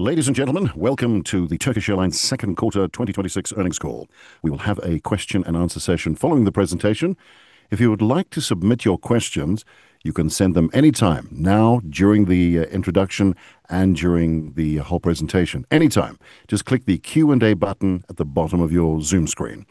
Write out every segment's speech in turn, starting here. Ladies and gentlemen, welcome to the Turkish Airlines second quarter 2026 earnings call. We will have a question and answer session following the presentation. If you would like to submit your questions, you can send them any time, now during the introduction, and during the whole presentation. Anytime. Just click the Q&A button at the bottom of your Zoom screen.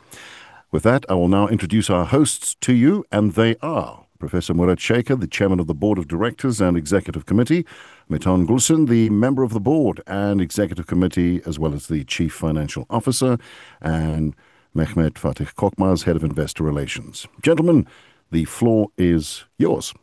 With that, I will now introduce our hosts to you, and they are Professor Murat Şeker, the Chairman of the Board of Directors and Executive Committee, Metin Gülşen, the member of the Board and Executive Committee, as well as the Chief Financial Officer, and Mehmet Fatih Korkmaz, Head of Investor Relations. Gentlemen, the floor is yours.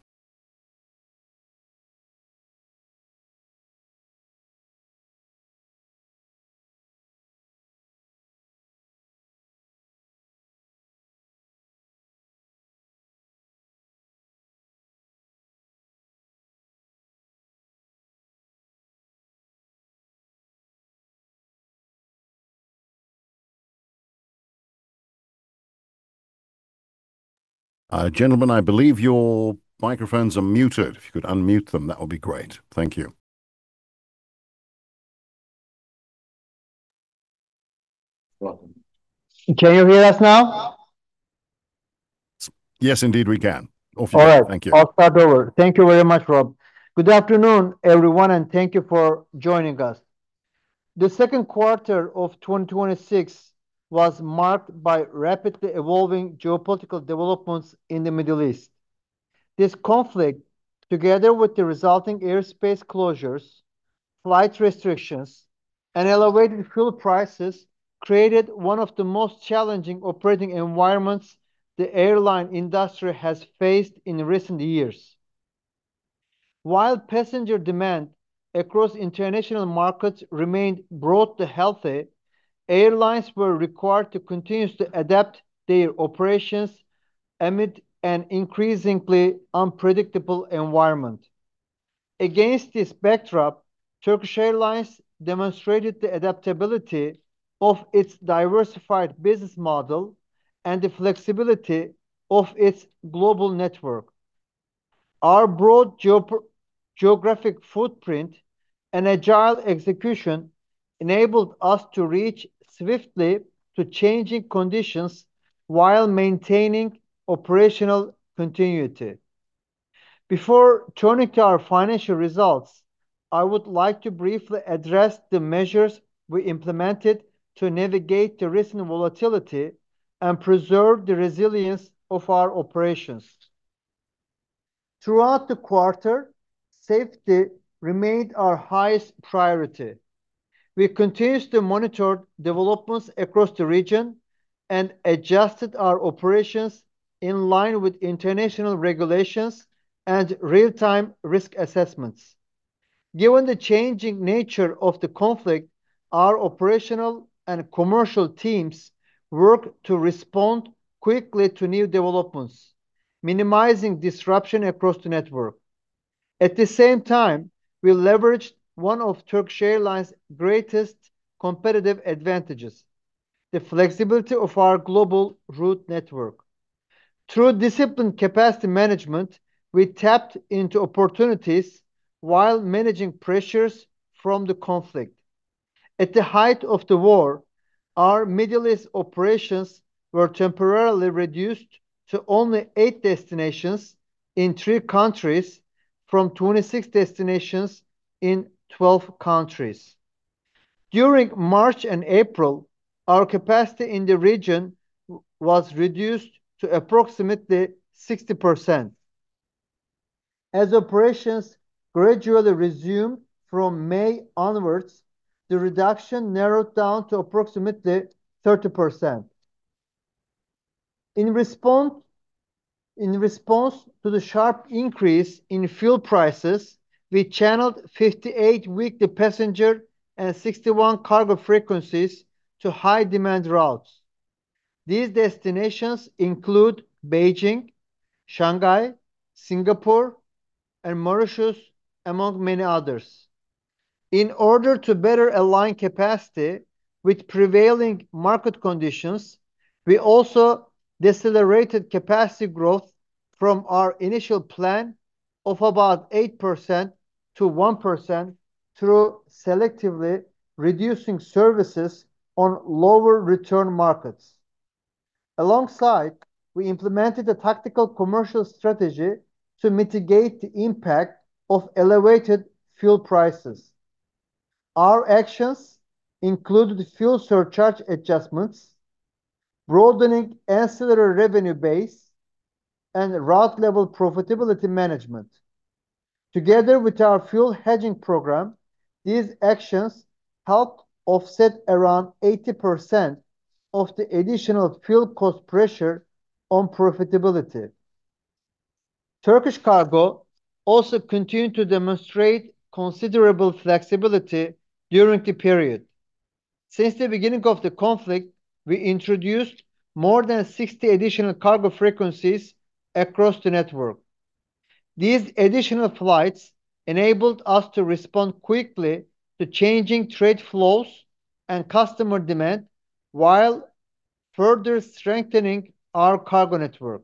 Gentlemen, I believe your microphones are muted. If you could unmute them, that would be great. Thank you. Can you hear us now? Yes, indeed we can. All right. Thank you. I'll start over. Thank you very much, Rob. Good afternoon, everyone, and thank you for joining us. The second quarter of 2026 was marked by rapidly evolving geopolitical developments in the Middle East. This conflict, together with the resulting airspace closures, flight restrictions, and elevated fuel prices, created one of the most challenging operating environments the airline industry has faced in recent years. While passenger demand across international markets remained broadly healthy, airlines were required to continuously adapt their operations amid an increasingly unpredictable environment. Against this backdrop, Turkish Airlines demonstrated the adaptability of its diversified business model and the flexibility of its global network. Our broad geographic footprint and agile execution enabled us to reach swiftly to changing conditions while maintaining operational continuity. Before turning to our financial results, I would like to briefly address the measures we implemented to navigate the recent volatility and preserve the resilience of our operations. Throughout the quarter, safety remained our highest priority. We continuously monitored developments across the region and adjusted our operations in line with international regulations and real-time risk assessments. Given the changing nature of the conflict, our operational and commercial teams worked to respond quickly to new developments, minimizing disruption across the network. At the same time, we leveraged one of Turkish Airlines' greatest competitive advantages, the flexibility of our global route network. Through disciplined capacity management, we tapped into opportunities while managing pressures from the conflict. At the height of the war, our Middle East operations were temporarily reduced to only eight destinations in three countries from 26 destinations in 12 countries. During March and April, our capacity in the region was reduced to approximately 60%. As operations gradually resumed from May onwards, the reduction narrowed down to approximately 30%. In response to the sharp increase in fuel prices, we channeled 58 weekly passenger and 61 cargo frequencies to high-demand routes. These destinations include Beijing, Shanghai, Singapore, and Mauritius, among many others. In order to better align capacity with prevailing market conditions, we also decelerated capacity growth from our initial plan of about 8% to 1% through selectively reducing services on lower return markets. Alongside, we implemented a tactical commercial strategy to mitigate the impact of elevated fuel prices. Our actions included fuel surcharge adjustments, broadening ancillary revenue base, and route level profitability management. Together with our fuel hedging program, these actions helped offset around 80% of the additional fuel cost pressure on profitability. Turkish Cargo also continued to demonstrate considerable flexibility during the period. Since the beginning of the conflict, we introduced more than 60 additional cargo frequencies across the network. These additional flights enabled us to respond quickly to changing trade flows and customer demand while further strengthening our cargo network.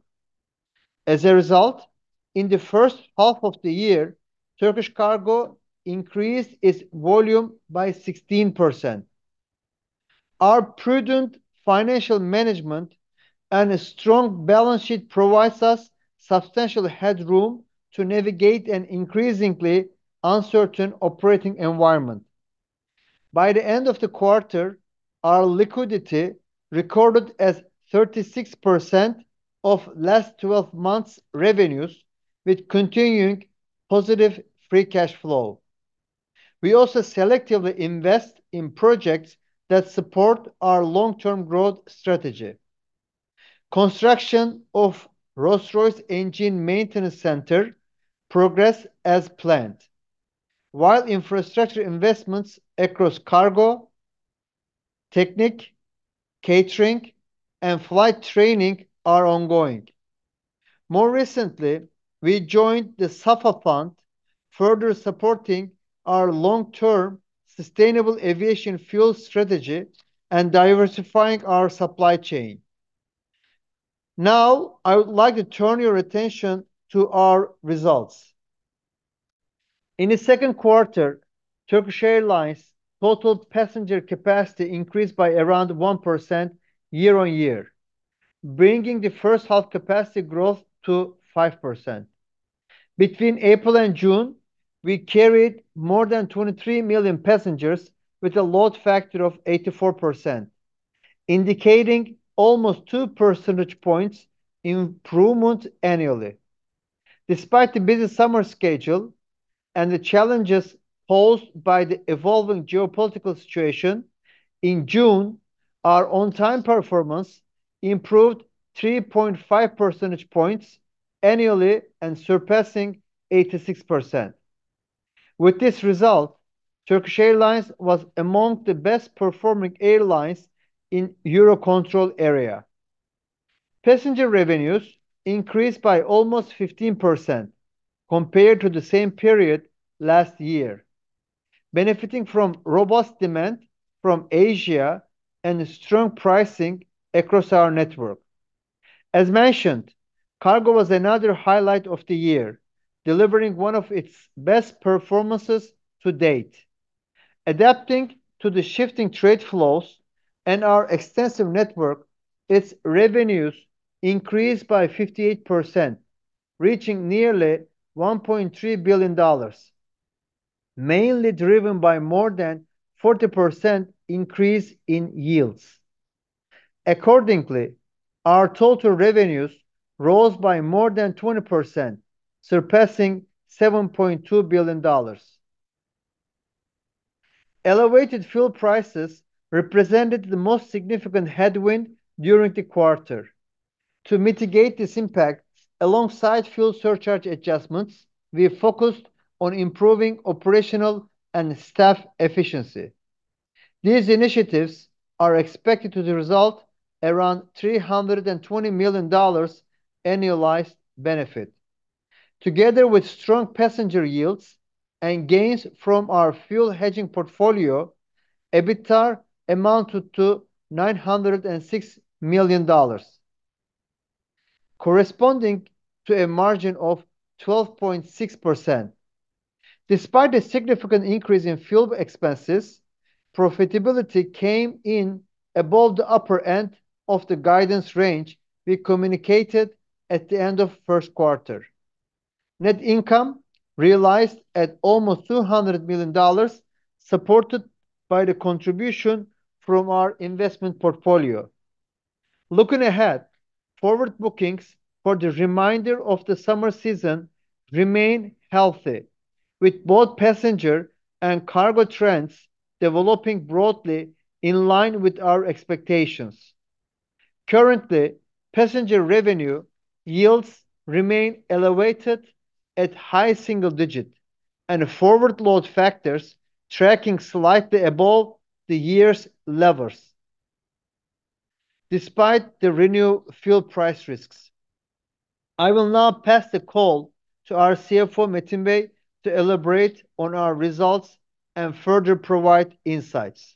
As a result, in the first half of the year, Turkish Cargo increased its volume by 16%. Our prudent financial management and a strong balance sheet provides us substantial headroom to navigate an increasingly uncertain operating environment. By the end of the quarter, our liquidity recorded as 36% of last 12 months revenues, with continuing positive free cash flow. We also selectively invest in projects that support our long-term growth strategy. Construction of Rolls-Royce engine maintenance center progress as planned, while infrastructure investments across cargo, Turkish Technic, catering, and flight training are ongoing. More recently, we joined the SAFA fund, further supporting our long-term sustainable aviation fuel strategy and diversifying our supply chain. I would like to turn your attention to our results. In the second quarter, Turkish Airlines total passenger capacity increased by around 1% year-over-year, bringing the first half capacity growth to 5%. Between April and June, we carried more than 23 million passengers with a load factor of 84%, indicating almost two percentage points improvement annually. Despite the busy summer schedule and the challenges posed by the evolving geopolitical situation, in June, our on-time performance improved 3.5 percentage points annually and surpassing 86%. With this result, Turkish Airlines was among the best-performing airlines in Eurocontrol area. Passenger revenues increased by almost 15% compared to the same period last year, benefiting from robust demand from Asia and strong pricing across our network. As mentioned, cargo was another highlight of the year, delivering one of its best performances to date. Adapting to the shifting trade flows and our extensive network, its revenues increased by 58%, reaching nearly $1.3 billion, mainly driven by more than 40% increase in yields. Accordingly, our total revenues rose by more than 20%, surpassing $7.2 billion. Elevated fuel prices represented the most significant headwind during the quarter. To mitigate this impact, alongside fuel surcharge adjustments, we focused on improving operational and staff efficiency. These initiatives are expected to result around $320 million annualized benefit. Together with strong passenger yields and gains from our fuel hedging portfolio, EBITDA amounted to $906 million, corresponding to a margin of 12.6%. Despite a significant increase in fuel expenses, profitability came in above the upper end of the guidance range we communicated at the end of first quarter. Net income realized at almost $200 million, supported by the contribution from our investment portfolio. Looking ahead, forward bookings for the remainder of the summer season remain healthy, with both passenger and cargo trends developing broadly in line with our expectations. Currently, passenger revenue yields remain elevated at high single digit, and forward load factors tracking slightly above the year's levels despite the renewed fuel price risks. I will now pass the call to our CFO, Metin Bey, to elaborate on our results and further provide insights.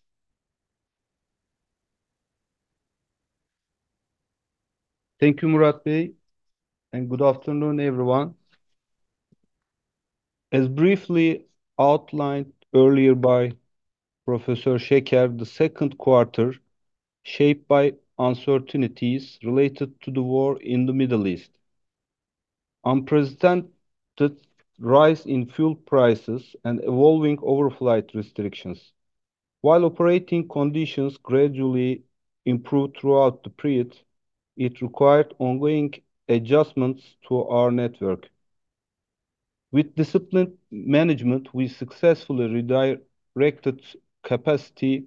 Thank you, Murat Bey, and good afternoon, everyone. As briefly outlined earlier by Professor Şeker, the second quarter, shaped by uncertainties related to the war in the Middle East, unprecedented rise in fuel prices, and evolving overflight restrictions. While operating conditions gradually improved throughout the period, it required ongoing adjustments to our network. With disciplined management, we successfully redirected capacity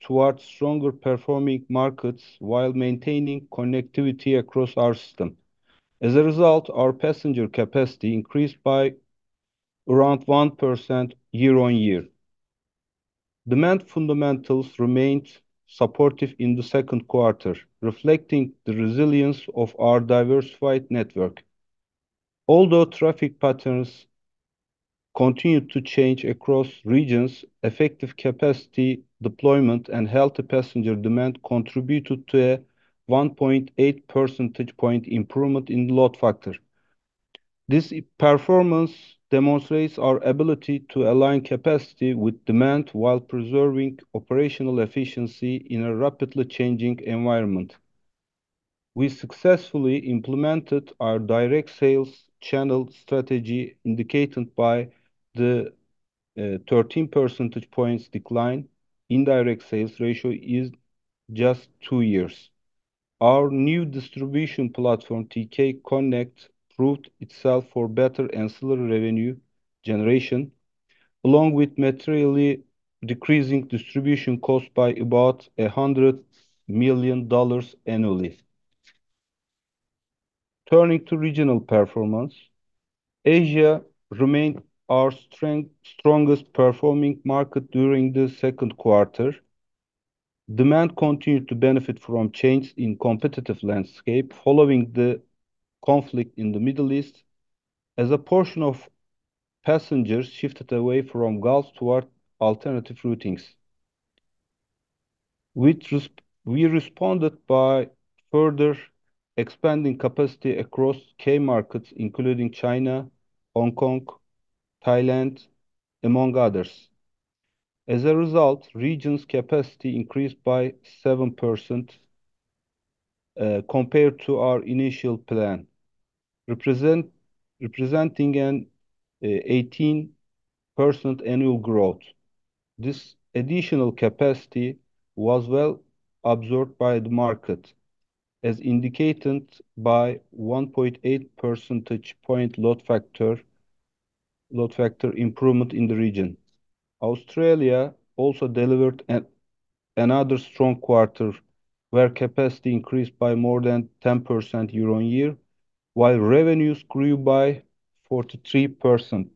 towards stronger performing markets while maintaining connectivity across our system. As a result, our passenger capacity increased by around 1% year-on-year. Demand fundamentals remained supportive in the second quarter, reflecting the resilience of our diversified network. Although traffic patterns continued to change across regions, effective capacity deployment, and healthy passenger demand contributed to a 1.8 percentage point improvement in load factor. This performance demonstrates our ability to align capacity with demand while preserving operational efficiency in a rapidly changing environment. We successfully implemented our direct sales channel strategy, indicated by the 13 percentage points decline in direct sales ratio in just two years. Our new distribution platform, TKCONNECT, proved itself for better ancillary revenue generation, along with materially decreasing distribution cost by about $100 million annually. Turning to regional performance, Asia remained our strongest performing market during the second quarter. Demand continued to benefit from changes in competitive landscape following the conflict in the Middle East, as a portion of passengers shifted away from Gulf toward alternative routings. We responded by further expanding capacity across key markets, including China, Hong Kong, Thailand, among others. As a result, regions capacity increased by 7% compared to our initial plan, representing an 18% annual growth. This additional capacity was well-absorbed by the market, as indicated by 1.8 percentage point load factor improvement in the region. Australia also delivered another strong quarter where capacity increased by more than 10% year-on-year, while revenues grew by 43%,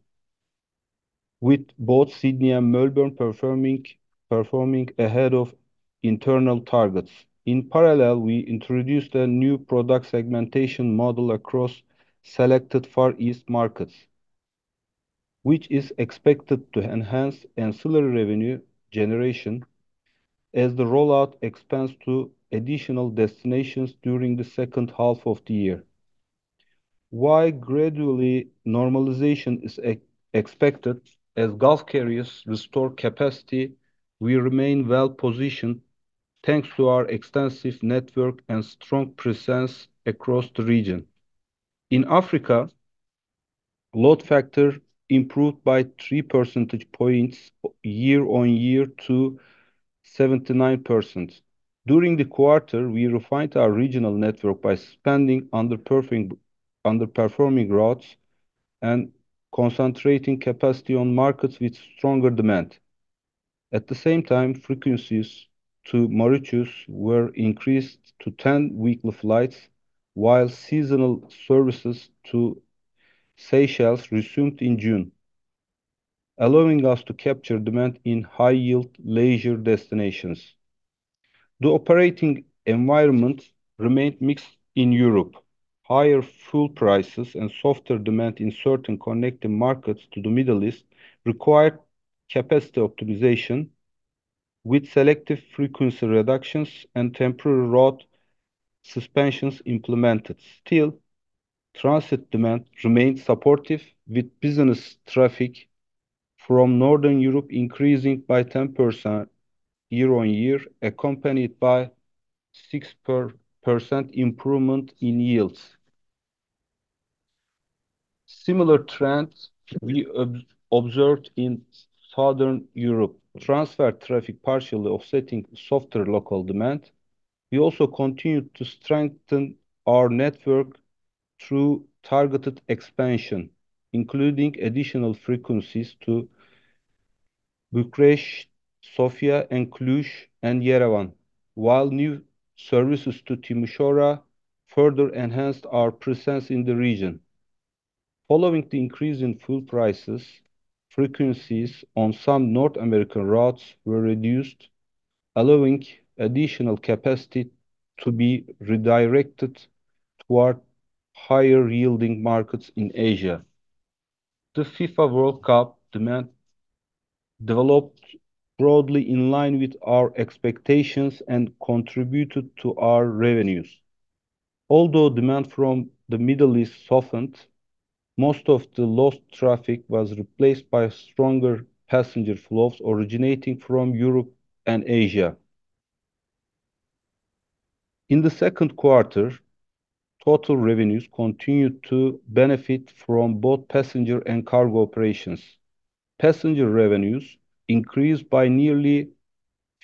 with both Sydney and Melbourne performing ahead of internal targets. In parallel, we introduced a new product segmentation model across selected Far East markets, which is expected to enhance ancillary revenue generation as the rollout expands to additional destinations during the second half of the year. While gradually normalization is expected as Gulf carriers restore capacity, we remain well-positioned thanks to our extensive network and strong presence across the region. In Africa, load factor improved by three percentage points year-on-year to 79%. During the quarter, we refined our regional network by suspending underperforming routes and concentrating capacity on markets with stronger demand. At the same time, frequencies to Mauritius were increased to 10 weekly flights, while seasonal services to Seychelles resumed in June, allowing us to capture demand in high-yield leisure destinations. The operating environment remained mixed in Europe. Higher fuel prices and softer demand in certain connecting markets to the Middle East required capacity optimization with selective frequency reductions and temporary route suspensions implemented. Still, transit demand remained supportive, with business traffic from Northern Europe increasing by 10% year-on-year, accompanied by 6% improvement in yields. Similar trends we observed in Southern Europe, transfer traffic partially offsetting softer local demand. We also continued to strengthen our network through targeted expansion, including additional frequencies to Bucharest, Sofia, Cluj, and Yerevan, while new services to Timisoara further enhanced our presence in the region. Following the increase in fuel prices, frequencies on some North American routes were reduced, allowing additional capacity to be redirected toward higher-yielding markets in Asia. The FIFA World Cup demand developed broadly in line with our expectations and contributed to our revenues. Although demand from the Middle East softened, most of the lost traffic was replaced by stronger passenger flows originating from Europe and Asia. In the second quarter, total revenues continued to benefit from both passenger and cargo operations. Passenger revenues increased by nearly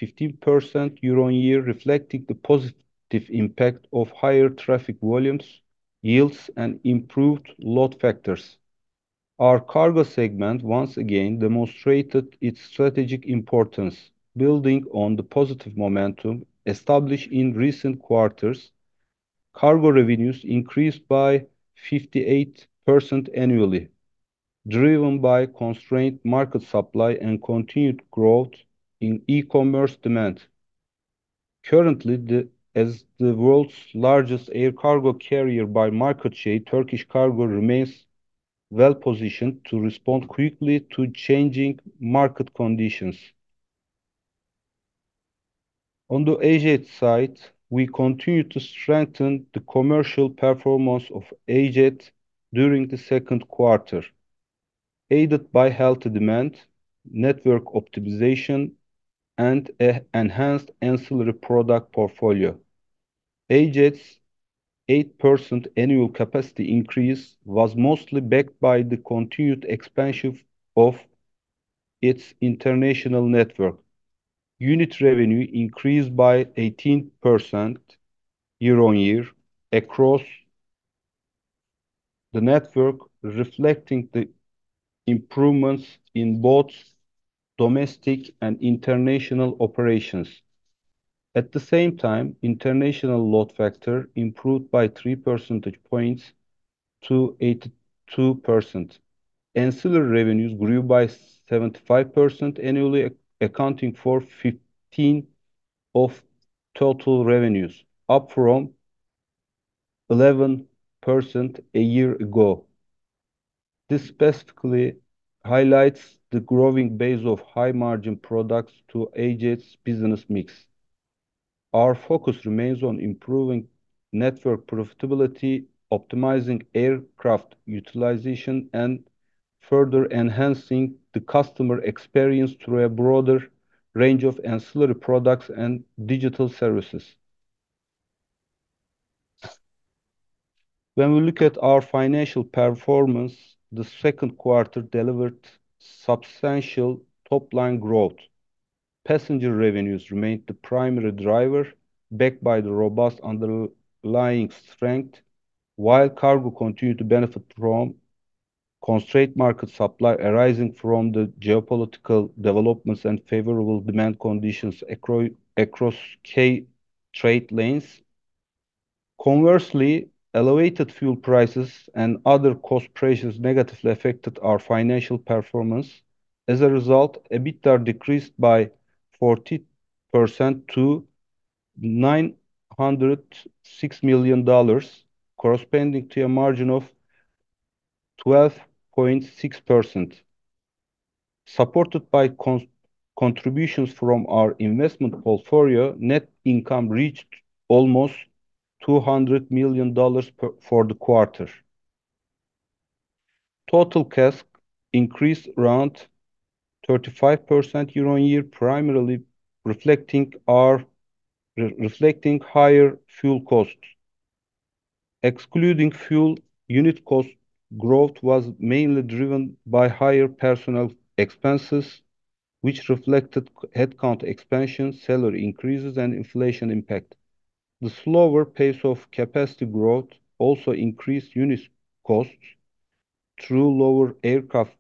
15% year-on-year, reflecting the positive impact of higher traffic volumes, yields, and improved load factors. Our cargo segment once again demonstrated its strategic importance. Building on the positive momentum established in recent quarters, cargo revenues increased by 58% annually, driven by constrained market supply and continued growth in e-commerce demand. Currently, as the world's largest air cargo carrier by market share, Turkish Cargo remains well-positioned to respond quickly to changing market conditions. On the AJet side, we continue to strengthen the commercial performance of AJet during the second quarter, aided by healthy demand, network optimization, and an enhanced ancillary product portfolio. AJet's 8% annual capacity increase was mostly backed by the continued expansion of its international network. Unit revenue increased by 18% year-on-year across the network, reflecting the improvements in both domestic and international operations. At the same time, international load factor improved by 3 percentage points to 82%. Ancillary revenues grew by 75% annually, accounting for 15% of total revenues, up from 11% a year ago. This specifically highlights the growing base of high-margin products to AJet's business mix. Our focus remains on improving network profitability, optimizing aircraft utilization, and further enhancing the customer experience through a broader range of ancillary products and digital services. When we look at our financial performance, the second quarter delivered substantial top-line growth. Passenger revenues remained the primary driver, backed by the robust underlying strength, while cargo continued to benefit from constrained market supply arising from the geopolitical developments and favorable demand conditions across key trade lanes. Conversely, elevated fuel prices and other cost pressures negatively affected our financial performance. As a result, EBITDA decreased by 40% to $906 million, corresponding to a margin of 12.6%. Supported by contributions from our investment portfolio, net income reached almost $200 million for the quarter. Total CASK increased around 35% year-on-year, primarily reflecting higher fuel costs. Excluding fuel, unit cost growth was mainly driven by higher personnel expenses, which reflected headcount expansion, salary increases, and inflation impact. The slower pace of capacity growth also increased unit costs through lower aircraft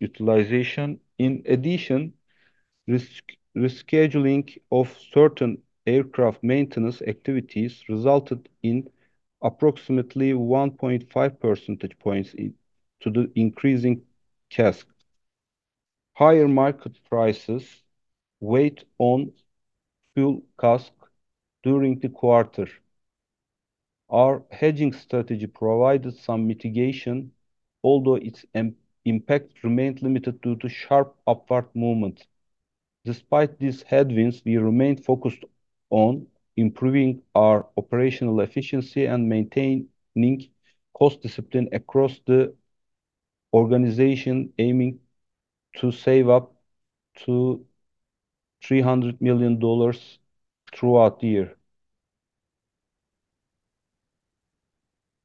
utilization. In addition, rescheduling of certain aircraft maintenance activities resulted in approximately 1.5 percentage points to the increasing CASK. Higher market prices weighed on fuel CASK during the quarter. Our hedging strategy provided some mitigation, although its impact remained limited due to sharp upward movement. Despite these headwinds, we remained focused on improving our operational efficiency and maintaining cost discipline across the organization, aiming to save up to $300 million throughout the year.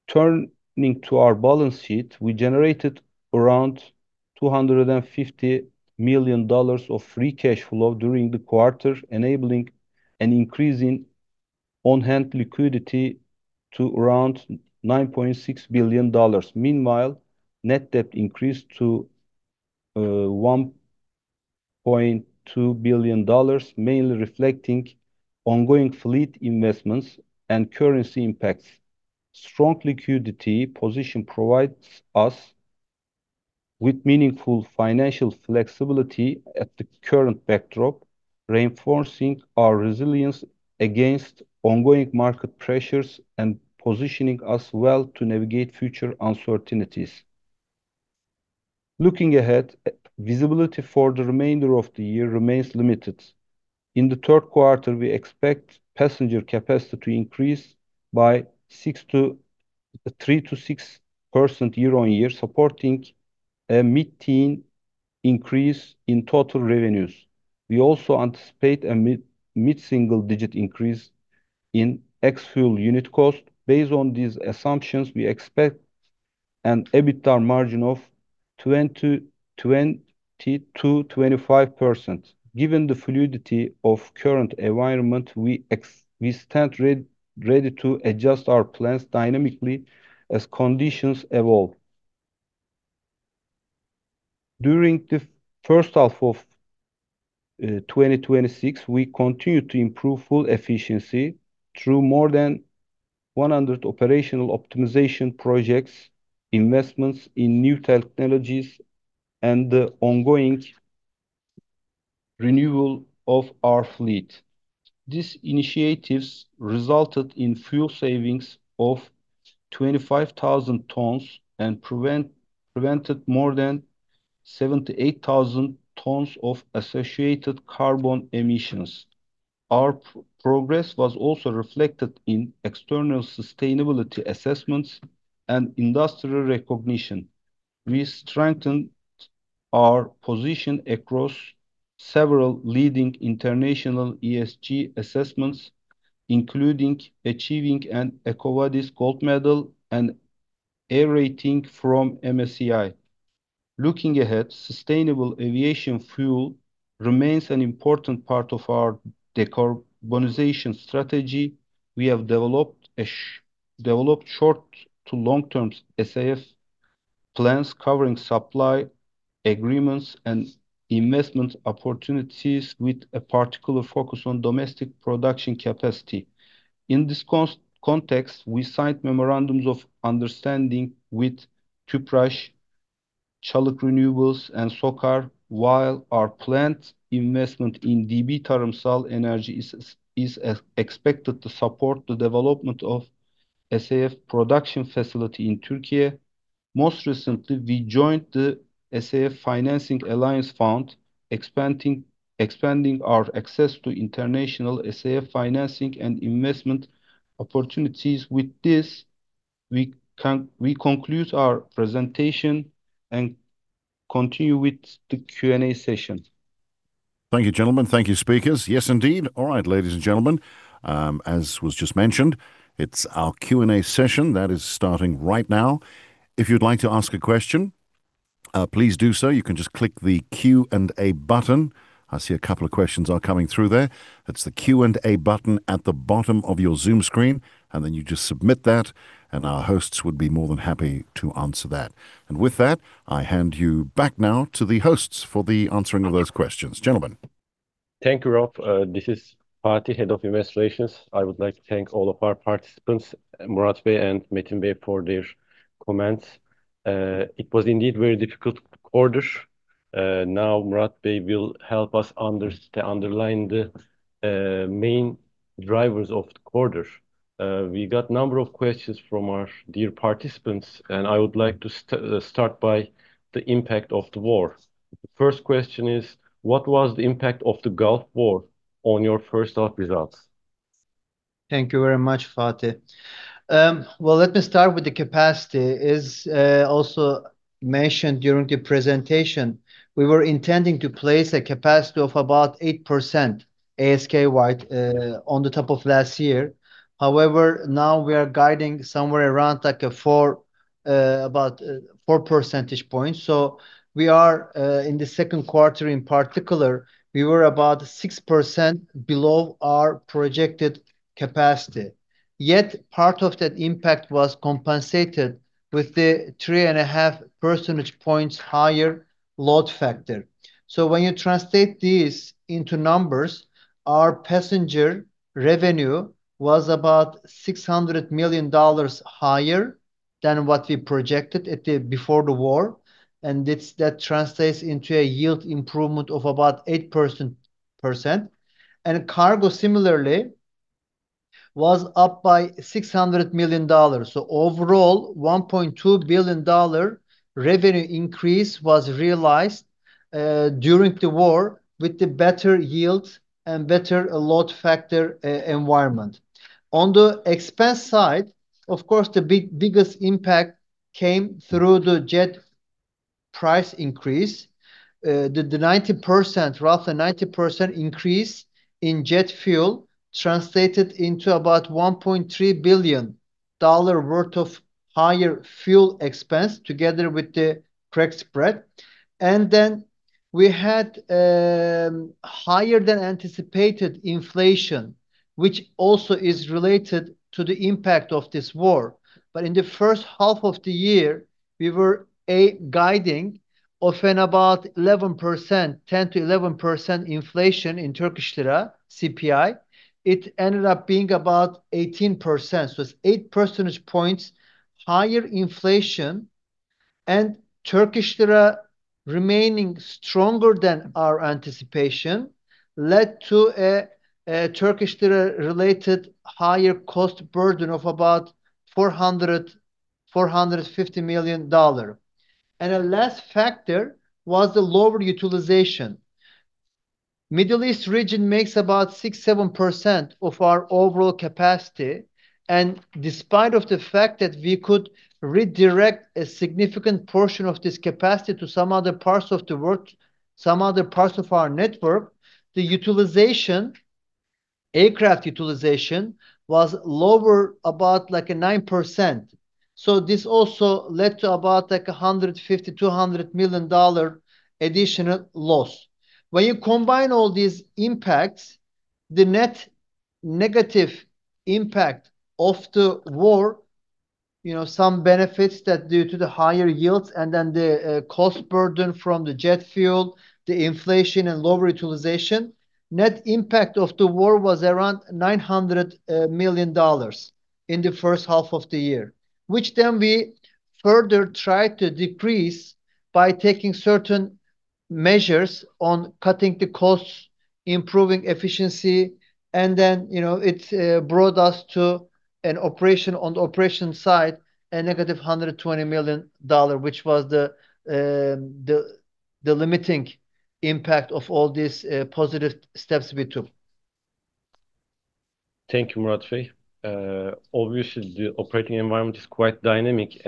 Turning to our balance sheet, we generated around $250 million of free cash flow during the quarter, enabling an increase in on-hand liquidity to around $9.6 billion. Meanwhile, net debt increased to $1.2 billion, mainly reflecting ongoing fleet investments and currency impacts. Strong liquidity position provides us with meaningful financial flexibility at the current backdrop, reinforcing our resilience against ongoing market pressures and positioning us well to navigate future uncertainties. Looking ahead, visibility for the remainder of the year remains limited. In the third quarter, we expect passenger capacity to increase by 3%-6% year-on-year, supporting a mid-teen increase in total revenues. We also anticipate a mid-single digit increase in ex-fuel unit cost. Based on these assumptions, we expect an EBITDA margin of 20%-25%. Given the fluidity of current environment, we stand ready to adjust our plans dynamically as conditions evolve. During the first half of 2026, we continued to improve fuel efficiency through more than 100 operational optimization projects, investments in new technologies, and the ongoing renewal of our fleet. These initiatives resulted in fuel savings of 25,000 tons and prevented more than 78,000 tons of associated carbon emissions. Our progress was also reflected in external sustainability assessments and industrial recognition. We strengthened our position across several leading international ESG assessments, including achieving an EcoVadis gold medal and A rating from MSCI. Looking ahead, Sustainable Aviation Fuel remains an important part of our decarbonization strategy. We have developed short to long-term SAF plans covering supply agreements and investment opportunities, with a particular focus on domestic production capacity. In this context, we signed memorandums of understanding with Tüpraş, Çalık Renewables, and SOCAR, while our planned investment in DB Tarımsal Enerji is expected to support the development of SAF production facility in Turkey. Most recently, we joined the SAF Financing Alliance Fund, expanding our access to international SAF financing and investment opportunities. With this, we conclude our presentation and continue with the Q&A session. Thank you, gentlemen. Thank you, speakers. Yes, indeed. All right, ladies and gentlemen, as was just mentioned, it's our Q&A session that is starting right now. If you'd like to ask a question, please do so. You can just click the Q&A button. I see a couple of questions are coming through there. It's the Q&A button at the bottom of your Zoom screen, and then you just submit that, and our hosts would be more than happy to answer that. With that, I hand you back now to the hosts for the answering of those questions. Gentlemen. Thank you, Rob. This is Fatih, head of investor relations. I would like to thank all of our participants, Murat Bey and Metin Bey, for their comments. It was indeed very difficult quarter. Murat Bey will help us underline the main drivers of the quarter. We got a number of questions from our dear participants, I would like to start by the impact of the war. The first question is: What was the impact of the Gulf War on your first half results? Thank you very much, Fatih. Well, let me start with the capacity. As also mentioned during the presentation, we were intending to place a capacity of about 8%, ASK wide, on the top of last year. However, now we are guiding somewhere around about four percentage points. We are, in the second quarter in particular, we were about 6% below our projected capacity. Yet, part of that impact was compensated with the three and a half percentage points higher load factor. When you translate this into numbers, our passenger revenue was about $600 million higher than what we projected before the war, and that translates into a yield improvement of about 8%. Cargo, similarly, was up by $600 million. Overall, $1.2 billion revenue increase was realized during the war with the better yield and better load factor environment. On the expense side, of course, the biggest impact came through the jet price increase. The 90%, roughly 90% increase in jet fuel translated into about $1.3 billion worth of higher fuel expense together with the crack spread. We had higher than anticipated inflation, which also is related to the impact of this war. In the first half of the year, we were guiding of an about 11%, 10%-11% inflation in Turkish lira CPI. It ended up being about 18%, so it's eight percentage points higher inflation. Turkish lira remaining stronger than our anticipation led to a Turkish lira-related higher cost burden of about $450 million. A last factor was the lower utilization. Middle East region makes about 6%, 7% of our overall capacity, and despite of the fact that we could redirect a significant portion of this capacity to some other parts of the world, some other parts of our network, the aircraft utilization was lower about like 9%. This also led to about $150 million, $200 million additional loss. When you combine all these impacts, the net negative impact of the war Some benefits that due to the higher yields and then the cost burden from the jet fuel, the inflation and lower utilization. Net impact of the war was around $900 million in the first half of the year, which we further tried to decrease by taking certain measures on cutting the costs, improving efficiency, it brought us to, on the operation side, a negative $120 million, which was the limiting impact of all these positive steps we took. Thank you, Murat Bey. Obviously, the operating environment is quite dynamic.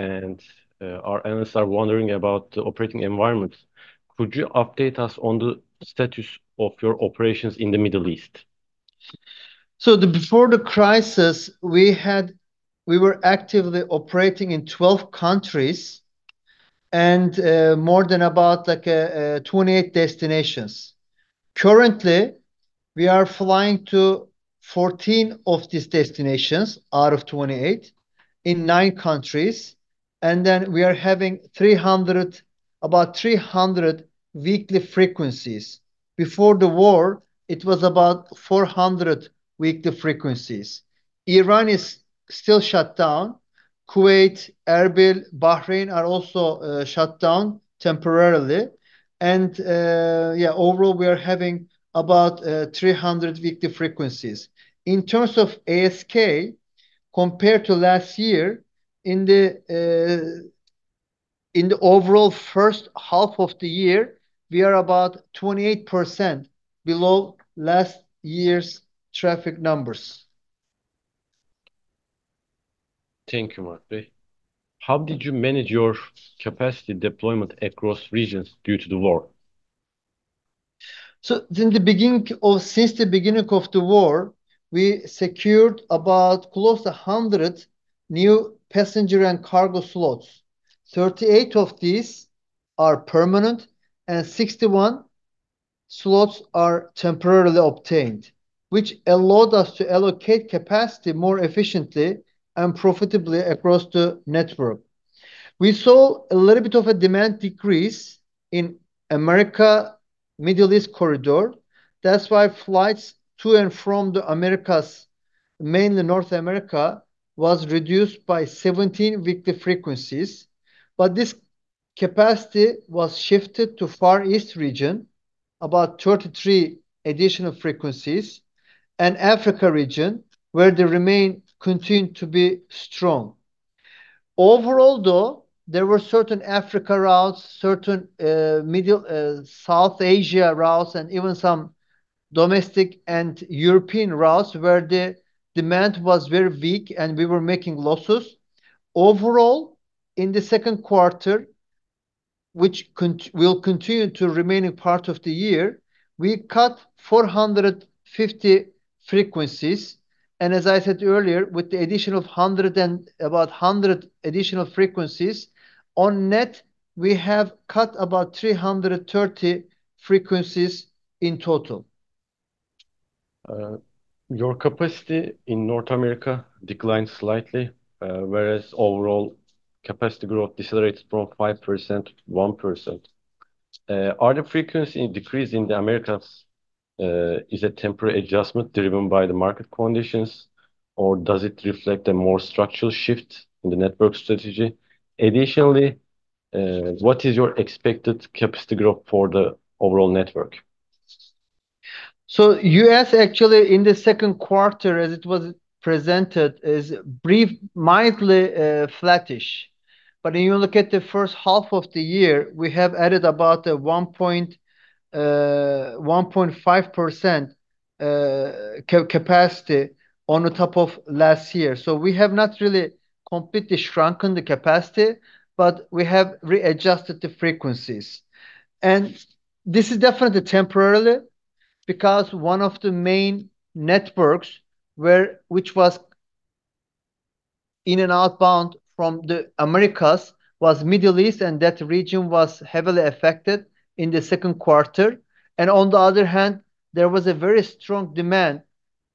Our analysts are wondering about the operating environment. Could you update us on the status of your operations in the Middle East? Before the crisis, we were actively operating in 12 countries and more than about 28 destinations. Currently, we are flying to 14 of these destinations out of 28 in nine countries. We are having about 300 weekly frequencies. Before the war, it was about 400 weekly frequencies. Iran is still shut down. Kuwait, Erbil, Bahrain are also shut down temporarily. Yeah, overall, we are having about 300 weekly frequencies. In terms of ASK, compared to last year, in the overall first half of the year, we are about 28% below last year's traffic numbers. Thank you, Murat Bey. How did you manage your capacity deployment across regions due to the war? Since the beginning of the war, we secured about close to 100 new passenger and cargo slots. 38 of these are permanent and 61 slots are temporarily obtained, which allowed us to allocate capacity more efficiently and profitably across the network. We saw a little bit of a demand decrease in America, Middle East corridor. That's why flights to and from the Americas, mainly North America, was reduced by 17 weekly frequencies. This capacity was shifted to Far East region, about 33 additional frequencies, and Africa region, where the demand continued to be strong. Overall, though, there were certain Africa routes, certain South Asia routes, and even some domestic and European routes, where the demand was very weak, and we were making losses. Overall, in the second quarter, which will continue to remaining part of the year, we cut 450 frequencies. As I said earlier, with the addition of about 100 additional frequencies, on net, we have cut about 330 frequencies in total. Your capacity in North America declined slightly, whereas overall capacity growth decelerated from 5% to 1%. Are the frequency decrease in the Americas is a temporary adjustment driven by the market conditions, or does it reflect a more structural shift in the network strategy? Additionally, what is your expected capacity growth for the overall network? U.S., actually, in the second quarter, as it was presented, is brief, mildly flattish. When you look at the first half of the year, we have added about a 1.5% capacity on top of last year. We have not really completely shrunken the capacity, but we have readjusted the frequencies. This is definitely temporarily, because one of the main networks which was in and outbound from the Americas was Middle East, and that region was heavily affected in the second quarter. On the other hand, there was a very strong demand,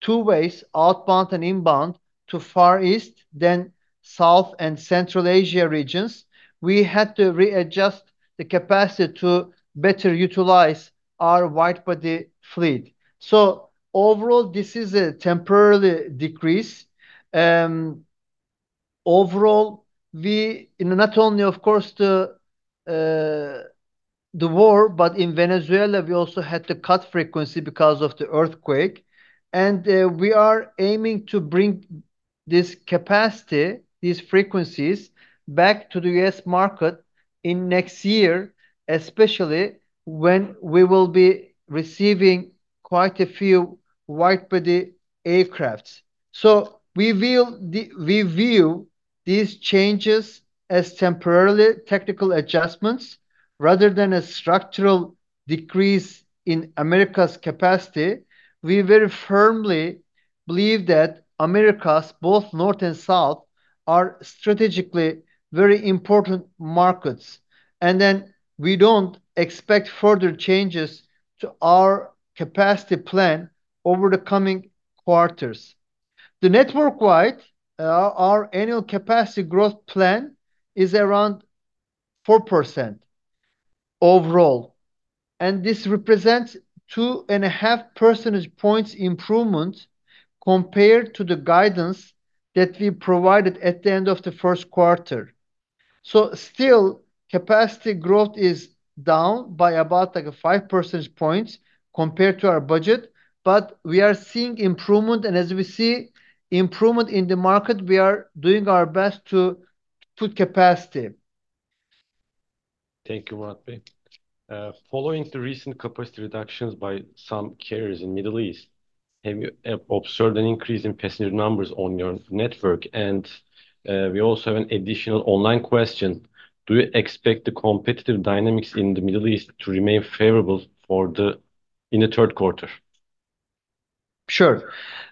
two ways, outbound and inbound to Far East, then South and Central Asia regions. We had to readjust the capacity to better utilize our wide-body fleet. Overall, this is a temporarily decrease. Overall, not only, of course, the war, but in Venezuela, we also had to cut frequency because of the earthquake. We are aiming to bring this capacity, these frequencies back to the U.S. market in next year, especially when we will be receiving quite a few wide-body aircrafts. We view these changes as temporarily technical adjustments rather than a structural decrease in America's capacity. We very firmly believe that Americas, both North and South, are strategically very important markets. We don't expect further changes to our capacity plan over the coming quarters. The network-wide, our annual capacity growth plan is around 4% overall, and this represents 2.5 percentage points improvement compared to the guidance that we provided at the end of the first quarter. Still, capacity growth is down by about 5 percentage points compared to our budget. We are seeing improvement, and as we see improvement in the market, we are doing our best to put capacity. Thank you, Murat Bey. Following the recent capacity reductions by some carriers in Middle East, have you observed an increase in passenger numbers on your network? We also have an additional online question. Do you expect the competitive dynamics in the Middle East to remain favorable in the third quarter? Sure.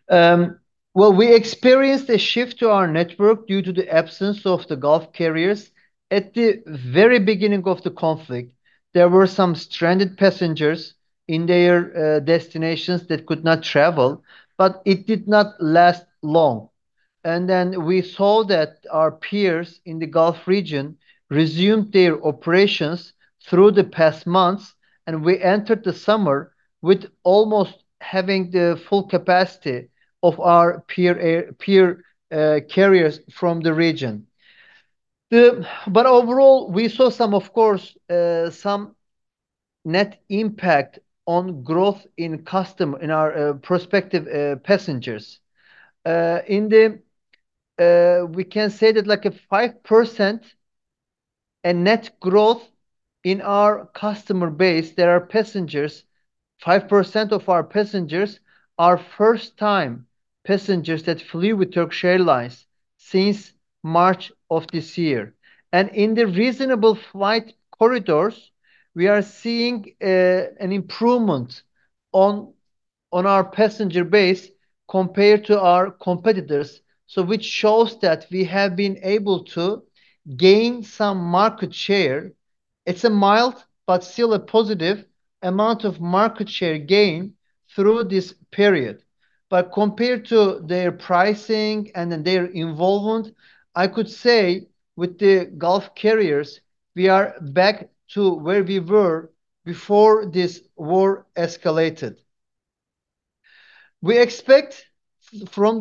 Well, we experienced a shift to our network due to the absence of the Gulf carriers. At the very beginning of the conflict, there were some stranded passengers in their destinations that could not travel, but it did not last long. We saw that our peers in the Gulf region resumed their operations through the past months, and we entered the summer with almost having the full capacity of our peer carriers from the region. Overall, we saw, of course, some net impact on growth in our prospective passengers. We can say that a 5% net growth in our customer base, there are passengers, 5% of our passengers are first-time passengers that flew with Turkish Airlines since March of this year. In the reasonable flight corridors, we are seeing an improvement on our passenger base compared to our competitors. Which shows that we have been able to gain some market share. It's a mild, but still a positive amount of market share gain through this period. Compared to their pricing and then their involvement, I could say with the Gulf carriers, we are back to where we were before this war escalated. For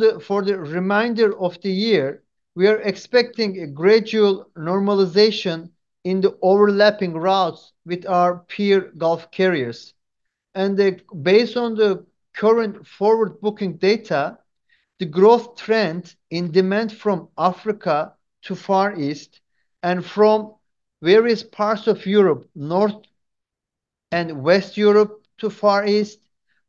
the remainder of the year, we are expecting a gradual normalization in the overlapping routes with our peer Gulf carriers. Based on the current forward booking data, the growth trend in demand from Africa to Far East and from various parts of Europe, North and West Europe to Far East,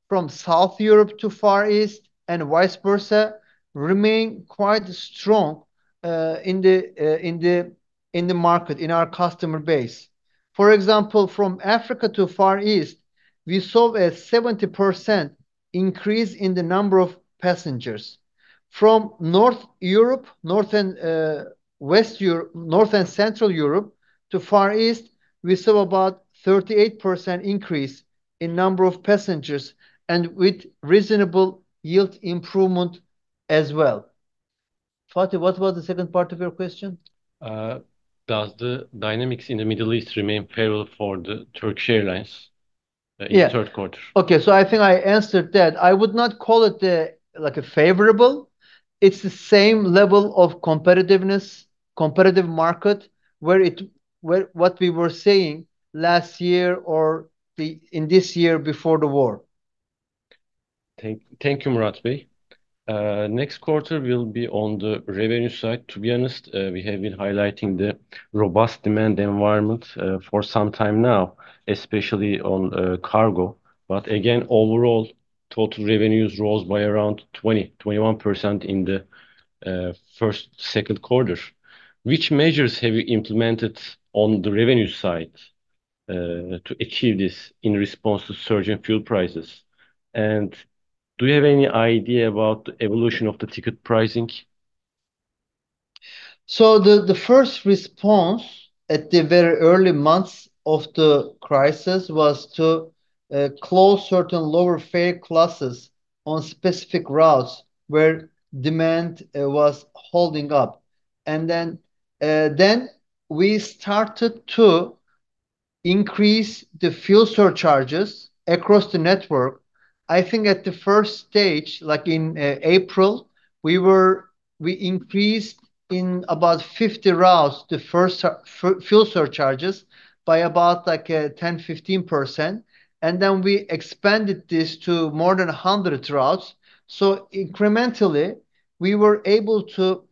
from South Europe to Far East, and vice versa, remain quite strong in the market, in our customer base. For example, from Africa to Far East, we saw a 70% increase in the number of passengers. From North and Central Europe to Far East, we saw about 38% increase in number of passengers, and with reasonable yield improvement as well. Fatih, what was the second part of your question? Does the dynamics in the Middle East remain favorable for the Turkish Airlines- Yeah in the third quarter? Okay. I think I answered that. I would not call it favorable. It's the same level of competitiveness, competitive market, what we were saying last year or in this year before the war. Thank you, Murat Bey. Next quarter will be on the revenue side. We have been highlighting the robust demand environment for some time now, especially on cargo. Again, overall, total revenues rose by around 20%-21% in the second quarter. Which measures have you implemented on the revenue side, to achieve this in response to surge in fuel prices? Do you have any idea about the evolution of the ticket pricing? The first response at the very early months of the crisis was to close certain lower fare classes on specific routes where demand was holding up. Then we started to increase the fuel surcharges across the network. I think at the first stage, like in April, we increased in about 50 routes, the first fuel surcharges by about 10%-15%, and then we expanded this to more than 100 routes. Incrementally, we were able to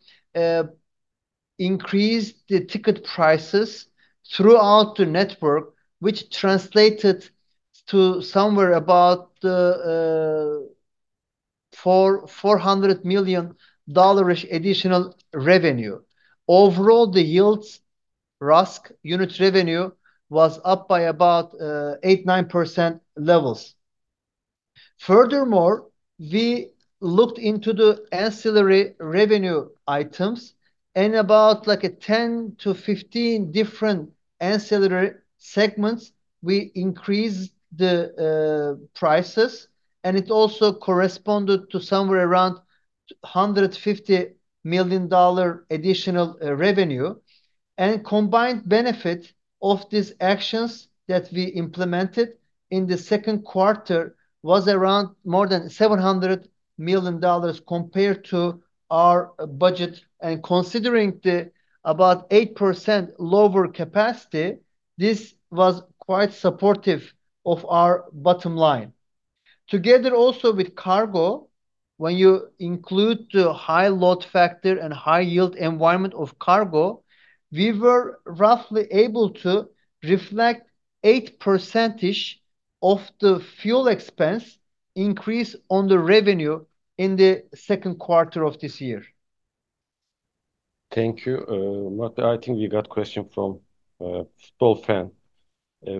increase the ticket prices throughout the network, which translated to somewhere about $400 million additional revenue. Overall, the yields RASK unit revenue was up by about 8%-9% levels. Furthermore, we looked into the ancillary revenue items. In about 10-15 different ancillary segments, we increased the prices, and it also corresponded to somewhere around $150 million additional revenue. The combined benefit of these actions that we implemented in the second quarter was around more than $700 million compared to our budget. Considering the about 8% lower capacity, this was quite supportive of our bottom line. Together also with cargo, when you include the high load factor and high yield environment of cargo, we were roughly able to reflect 8% of the fuel expense increase on the revenue in the second quarter of this year. Thank you. Murat, I think we got question from Football Fan.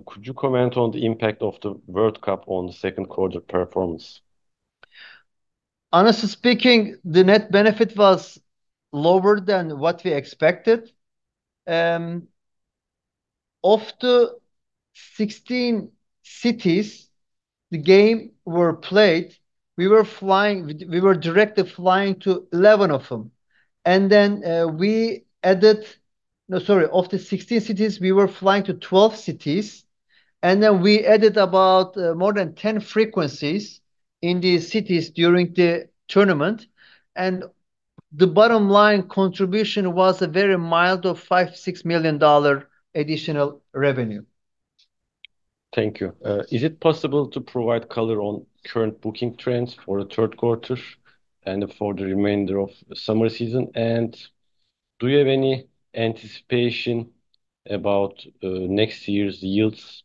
Could you comment on the impact of the World Cup on the second quarter performance? Honestly speaking, the net benefit was lower than what we expected. Of the 16 cities the game were played, we were directly flying to 11 of them. No, sorry. Of the 16 cities, we were flying to 12 cities, then we added about more than 10 frequencies in these cities during the tournament. The bottom line contribution was a very mild, $56 million additional revenue. Thank you. Is it possible to provide color on current booking trends for the third quarter and for the remainder of the summer season? Do you have any anticipation about next year's yields?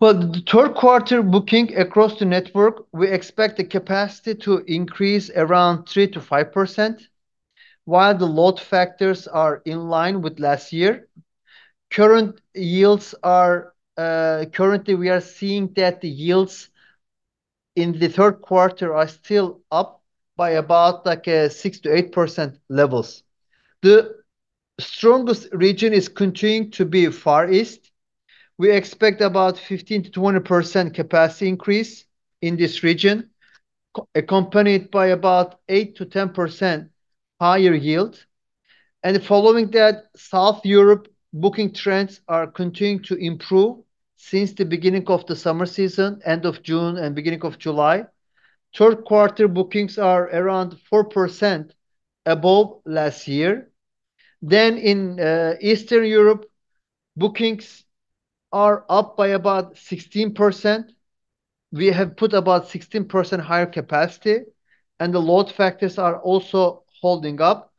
Well, the third quarter booking across the network, we expect the capacity to increase around 3%-5%, while the load factors are in line with last year. Currently, we are seeing that the yields in the third quarter are still up by about 6%-8% levels. The strongest region is continuing to be Far East. We expect about 15%-20% capacity increase in this region, accompanied by about 8%-10% higher yield. Following that, South Europe booking trends are continuing to improve since the beginning of the summer season, end of June and beginning of July. Third quarter bookings are around 4% above last year. In Eastern Europe, bookings are up by about 16%. We have put about 16% higher capacity, the load factors are also holding up.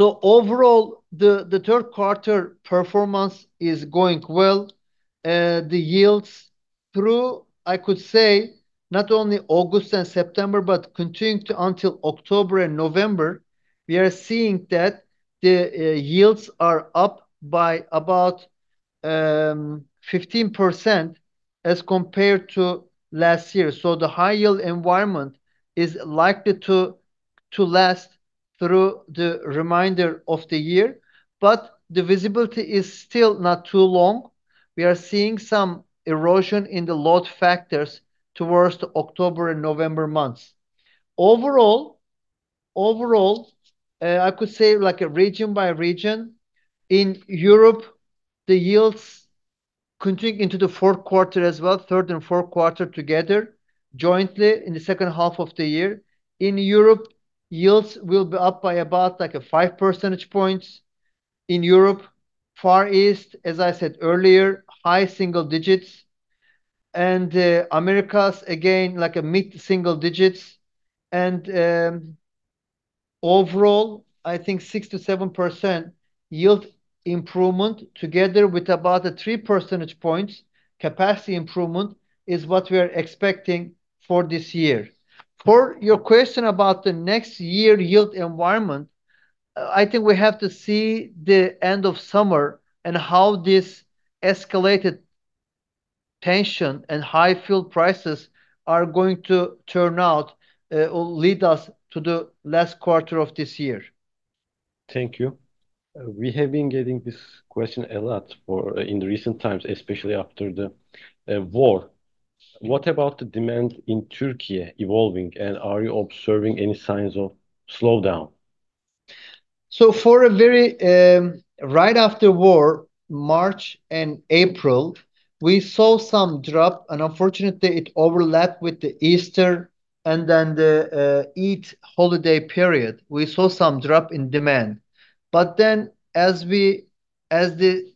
Overall, the third quarter performance is going well. The yields through, I could say, not only August and September, but continuing to until October and November, we are seeing that the yields are up by about 15% as compared to last year. The high yield environment is likely to last through the remainder of the year, the visibility is still not too long. We are seeing some erosion in the load factors towards the October and November months. Overall, I could say region by region, in Europe, the yields continuing into the fourth quarter as well, third and fourth quarter together, jointly in the second half of the year. In Europe, yields will be up by about 5 percentage points. In Europe, Far East, as I said earlier, high single digits. Americas, again, mid-single digits. Overall, I think 6%-7% yield improvement together with about a three percentage points capacity improvement is what we are expecting for this year. For your question about the next year yield environment, I think we have to see the end of summer and how this escalated tension and high fuel prices are going to turn out or lead us to the last quarter of this year. Thank you. We have been getting this question a lot in the recent times, especially after the war. What about the demand in Türkiye evolving? Are you observing any signs of slowdown? Right after war, March and April, we saw some drop. Unfortunately, it overlapped with the Easter and then the Eid holiday period. We saw some drop in demand. As the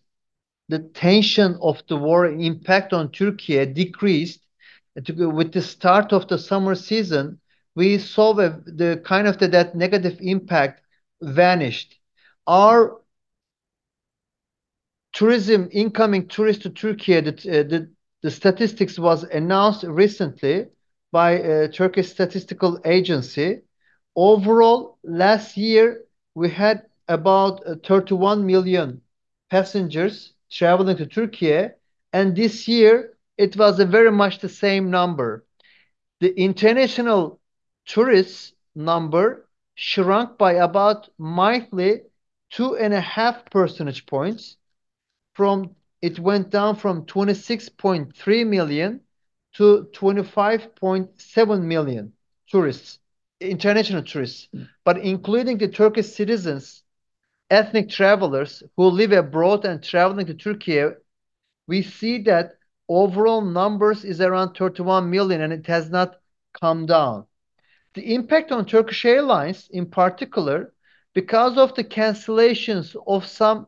tension of the war impact on Türkiye decreased with the start of the summer season, we saw that negative impact vanished. Our incoming tourists to Türkiye, the statistics was announced recently by Turkish Statistical Institute. Overall, last year, we had about 31 million passengers traveling to Türkiye, and this year it was very much the same number. The international tourists number shrunk by about monthly, 2.5 percentage points. It went down from 26.3 million to 25.7 million international tourists. Including the Turkish citizens, ethnic travelers who live abroad and traveling to Türkiye, we see that overall numbers is around 31 million. It has not come down. The impact on Turkish Airlines in particular, because of the cancellations of some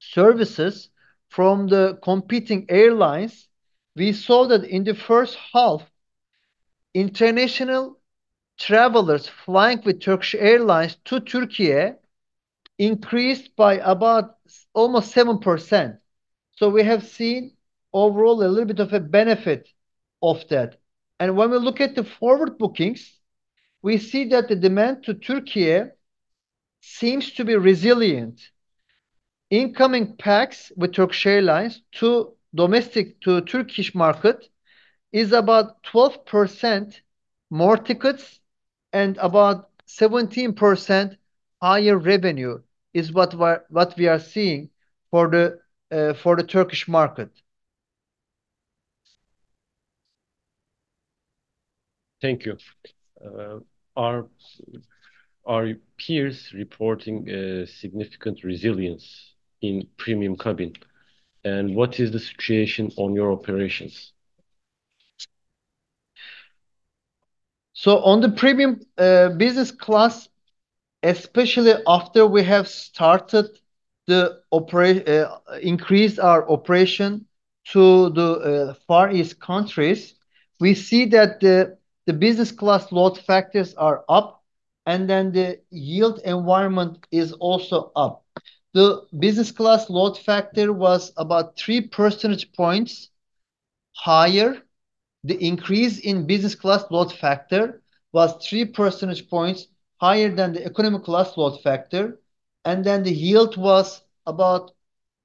services from the competing airlines, we saw that in the first half, international travelers flying with Turkish Airlines to Türkiye increased by about almost 7%. We have seen overall a little bit of a benefit of that. When we look at the forward bookings, we see that the demand to Türkiye seems to be resilient. Incoming packs with Turkish Airlines to domestic Turkish market is about 12% more tickets and about 17% higher revenue, is what we are seeing for the Turkish market. Thank you. Are your peers reporting a significant resilience in premium cabin? What is the situation on your operations? On the premium business class, especially after we have increased our operation to the Far East countries, we see that the business class load factors are up, the yield environment is also up. The business class load factor was about 3 percentage points higher. The increase in business class load factor was 3 percentage points higher than the economic class load factor. The yield was about,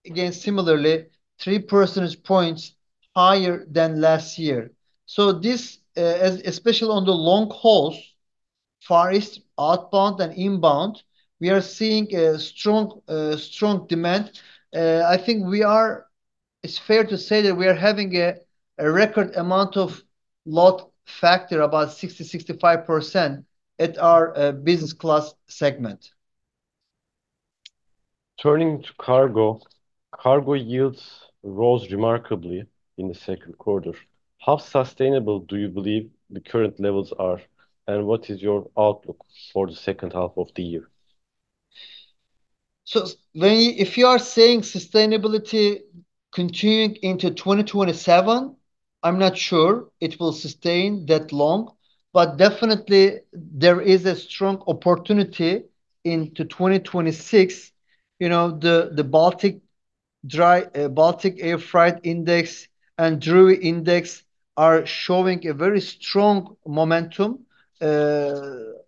again, similarly, 3 percentage points higher than last year. Especially on the long hauls, Far East outbound and inbound, we are seeing a strong demand. I think it's fair to say that we are having a record amount of load factor, about 60%-65%, at our business class segment. Turning to cargo. Cargo yields rose remarkably in the second quarter. How sustainable do you believe the current levels are? What is your outlook for the second half of the year? If you are saying sustainability continuing into 2027, I'm not sure it will sustain that long. Definitely, there is a strong opportunity into 2026. The Baltic Air Freight Index and Drewry Index are showing a very strong momentum on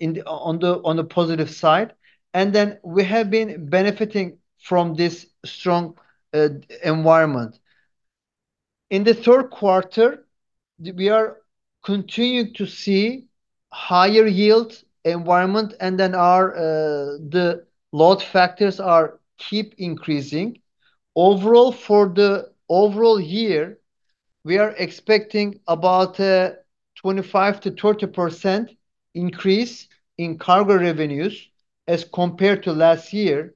the positive side. We have been benefiting from this strong environment. In the third quarter, we are continuing to see higher yield environment, the load factors keep increasing. For the overall year, we are expecting about a 25%-30% increase in cargo revenues as compared to last year,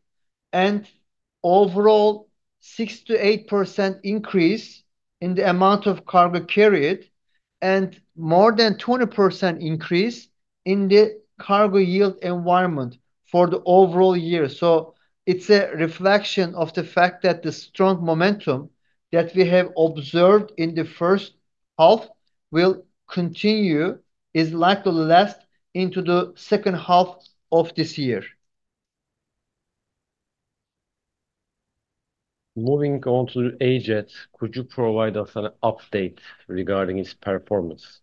overall 6%-8% increase in the amount of cargo carried, more than 20% increase in the cargo yield environment for the overall year. It's a reflection of the fact that the strong momentum that we have observed in the first half will continue, is likely to last into the second half of this year. Moving on to Ajet. Could you provide us an update regarding its performance?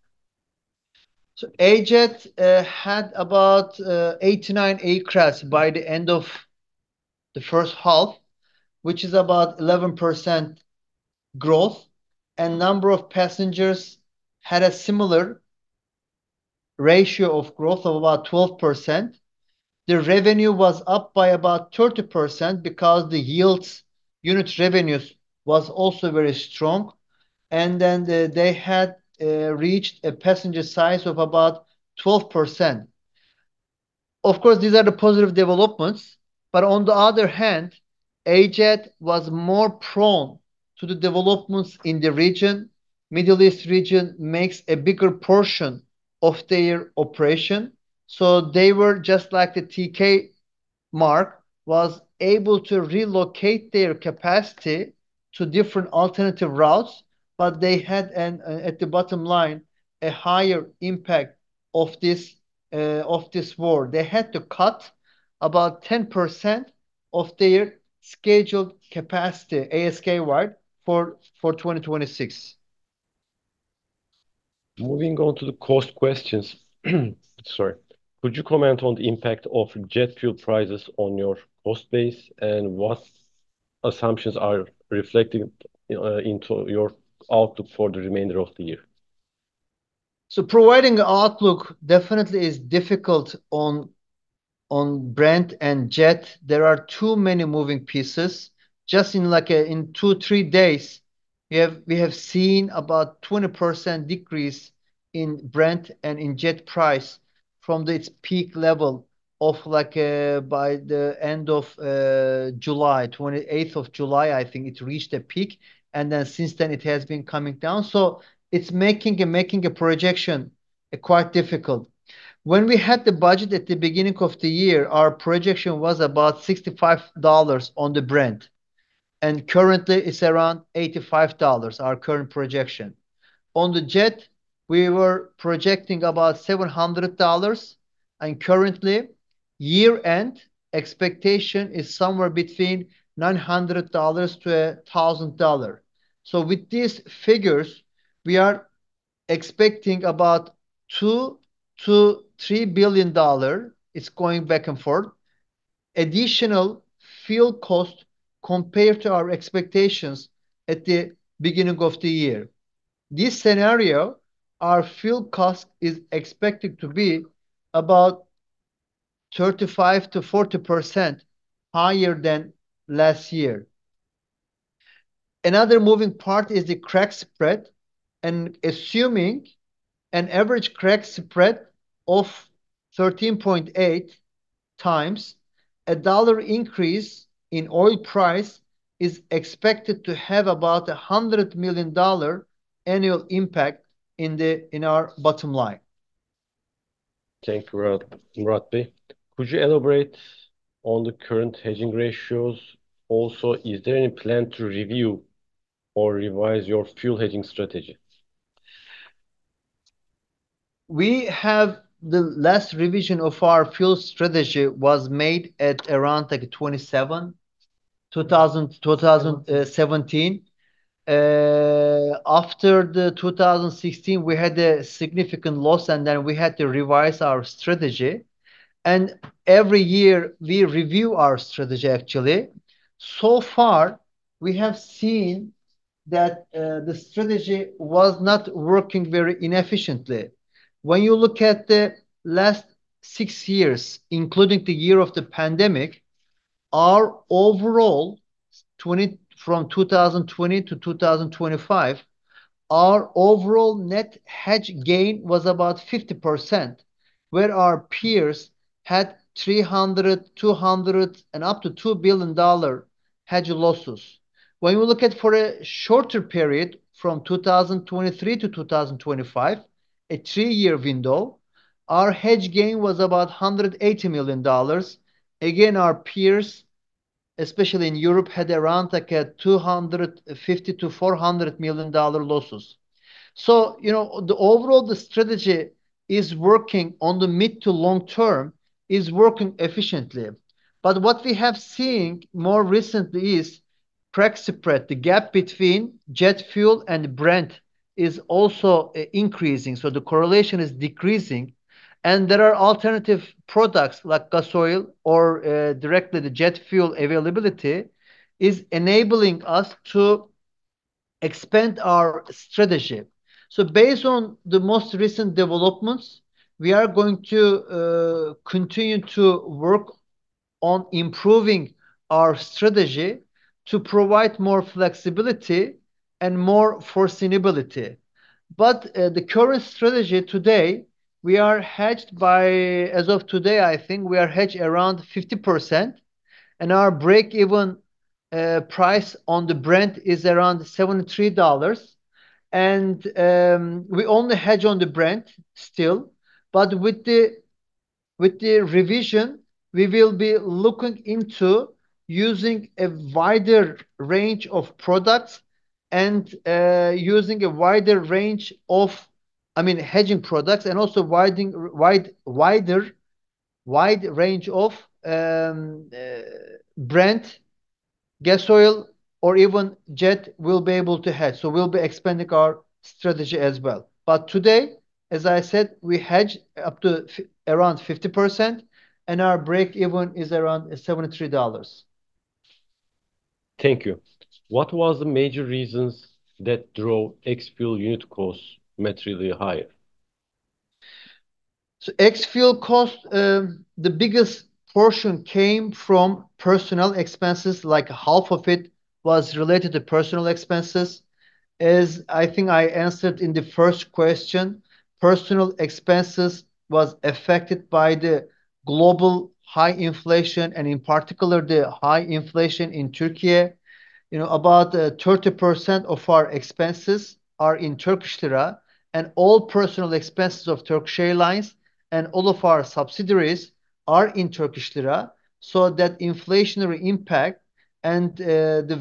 Ajet had about 89 aircraft by the end of the first half, which is about 11% growth, and number of passengers had a similar ratio of growth of about 12%. The revenue was up by about 30% because the unit revenues was also very strong. They had reached a passenger size of about 12%. Of course, these are the positive developments. On the other hand, Ajet was more prone to the developments in the region. Middle East region makes a bigger portion of their operation. They were, just like the TK mark, was able to relocate their capacity to different alternative routes. They had, at the bottom line, a higher impact of this war. They had to cut about 10% of their scheduled capacity, ASK wide, for 2026. Moving on to the cost questions. Sorry. Could you comment on the impact of jet fuel prices on your cost base, and what assumptions are reflected into your outlook for the remainder of the year? Providing the outlook definitely is difficult on Brent and jet. There are too many moving pieces. Just in two, three days, we have seen about 20% decrease in Brent and in jet price from its peak level by the end of July. 28th of July, I think it reached a peak. Since then it has been coming down. It's making a projection quite difficult. When we had the budget at the beginning of the year, our projection was about $65 on the Brent, and currently it's around $85, our current projection. On the jet, we were projecting about $700, and currently, year-end expectation is somewhere between $900-$1,000. With these figures, we are expecting about $2 billion-$3 billion, it's going back and forth, additional fuel cost compared to our expectations at the beginning of the year. This scenario, our fuel cost is expected to be about 35%-40% higher than last year. Another moving part is the crack spread, and assuming an average crack spread of 13.8x, a dollar increase in oil price is expected to have about $100 million annual impact in our bottom line. Thank you, Murat Bey. Could you elaborate on the current hedging ratios? Also, is there any plan to review or revise your fuel hedging strategy? The last revision of our fuel strategy was made at around 2017. After 2016, we had a significant loss. We had to revise our strategy. Every year we review our strategy, actually. So far, we have seen that the strategy was not working very inefficiently. When you look at the last six years, including the year of the pandemic, from 2020 to 2025, our overall net hedge gain was about 50%, where our peers had $300, $200 and up to $2 billion hedge losses. When you look at for a shorter period, from 2023 to 2025, a three-year window, our hedge gain was about $180 million. Again, our peers, especially in Europe, had around $250 million-$400 million losses. The overall strategy is working on the mid to long term, is working efficiently. What we have seen more recently is crack spread, the gap between jet fuel and Brent, is also increasing. The correlation is decreasing, and there are alternative products like gas oil or directly the jet fuel availability is enabling us to expand our strategy. Based on the most recent developments, we are going to continue to work on improving our strategy to provide more flexibility and more foreseeability. The current strategy today, as of today, I think we are hedged around 50%, and our break-even price on the Brent is around $73. We only hedge on the Brent still. With the revision, we will be looking into using a wider range of products and using a wider range of, I mean, hedging products and also wide range of Brent gas oil or even jet, we will be able to hedge. We will be expanding our strategy as well. Today, as I said, we hedge up to around 50%, and our break-even is around $73. Thank you. What was the major reasons that drove ex-fuel unit costs materially higher? Ex-fuel cost, the biggest portion came from personal expenses, like half of it was related to personal expenses. As I think I answered in the first question, personal expenses was affected by the global high inflation and in particular, the high inflation in Turkey. About 30% of our expenses are in Turkish lira, and all personal expenses of Turkish Airlines and all of our subsidiaries are in Turkish lira. That inflationary impact and the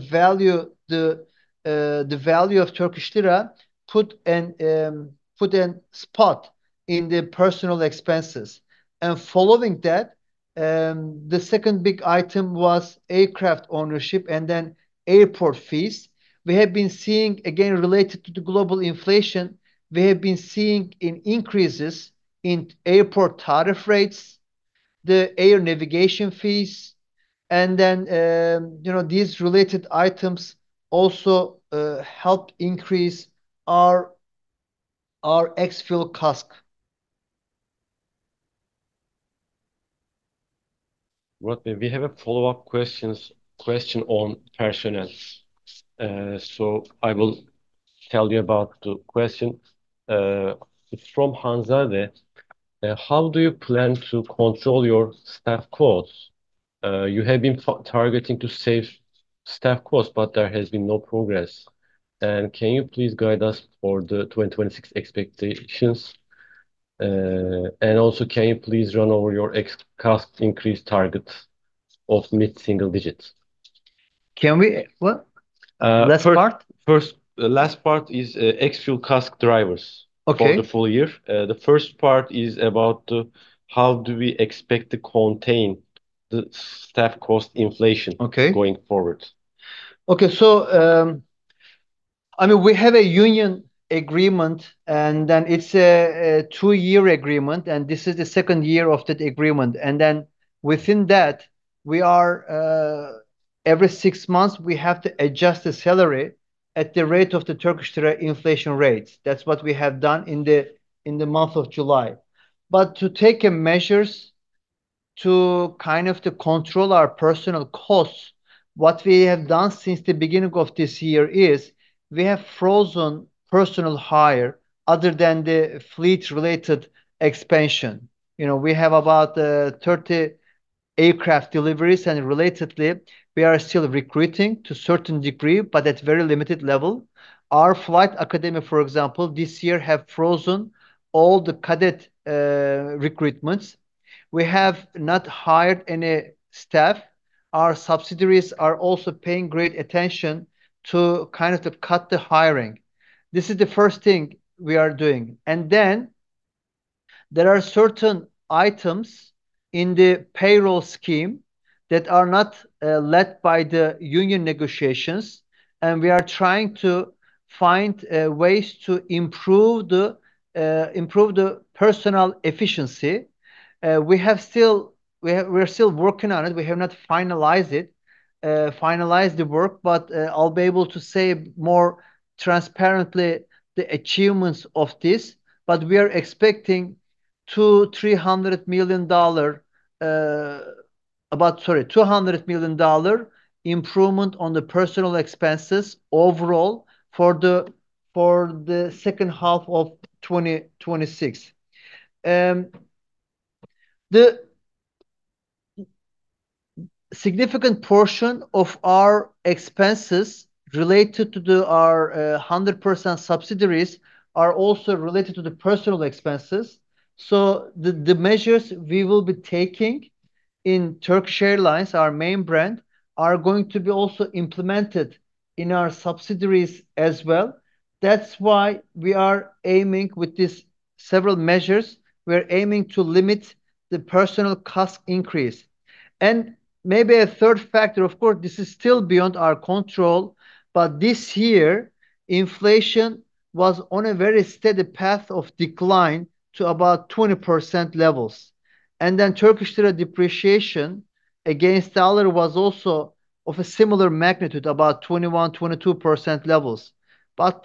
value of Turkish lira put a spot in the personal expenses. Following that, the second big item was aircraft ownership and then airport fees. We have been seeing, again, related to the global inflation, we have been seeing increases in airport tariff rates, the air navigation fees, and then these related items also help increase our ex-fuel CASK. Murat Bey, we have a follow-up question on personnel. I will tell you about the question. It is from Hanzade. How do you plan to control your staff costs? You have been targeting to save staff costs, but there has been no progress. Can you please guide us for the 2026 expectations? Also, can you please run over your ex CASK increase target of mid-single digits? Can we what? Last part? The last part is ex-fuel CASK drivers. Okay For the full year. The first part is about how do we expect to contain the staff cost inflation- Okay going forward. Okay. We have a union agreement, it's a two-year agreement, and this is the second year of that agreement. Within that, every six months, we have to adjust the salary at the rate of the Turkish inflation rates. That's what we have done in the month of July. To take measures to control our personal costs, what we have done since the beginning of this year is we have frozen personal hire other than the fleet-related expansion. We have about 30 aircraft deliveries, Relatedly, we are still recruiting to a certain degree, but at very limited level. Our flight academy, for example, this year have frozen all the cadet recruitments. We have not hired any staff. Our subsidiaries are also paying great attention to cut the hiring. This is the first thing we are doing. There are certain items in the payroll scheme that are not led by the union negotiations, We are trying to find ways to improve the personal efficiency. We're still working on it. We have not finalized the work, I'll be able to say more transparently the achievements of this. We are expecting about $200 million improvement on the personal expenses overall for the second half of 2026. The significant portion of our expenses related to our 100% subsidiaries are also related to the personal expenses. The measures we will be taking in Turkish Airlines, our main brand, are going to be also implemented in our subsidiaries as well. That's why we are aiming with these several measures, we're aiming to limit the personal CASK increase. Maybe a third factor, of course, this is still beyond our control, this year, inflation was on a very steady path of decline to about 20% levels. Turkish lira depreciation against dollar was also of a similar magnitude, about 21%, 22% levels.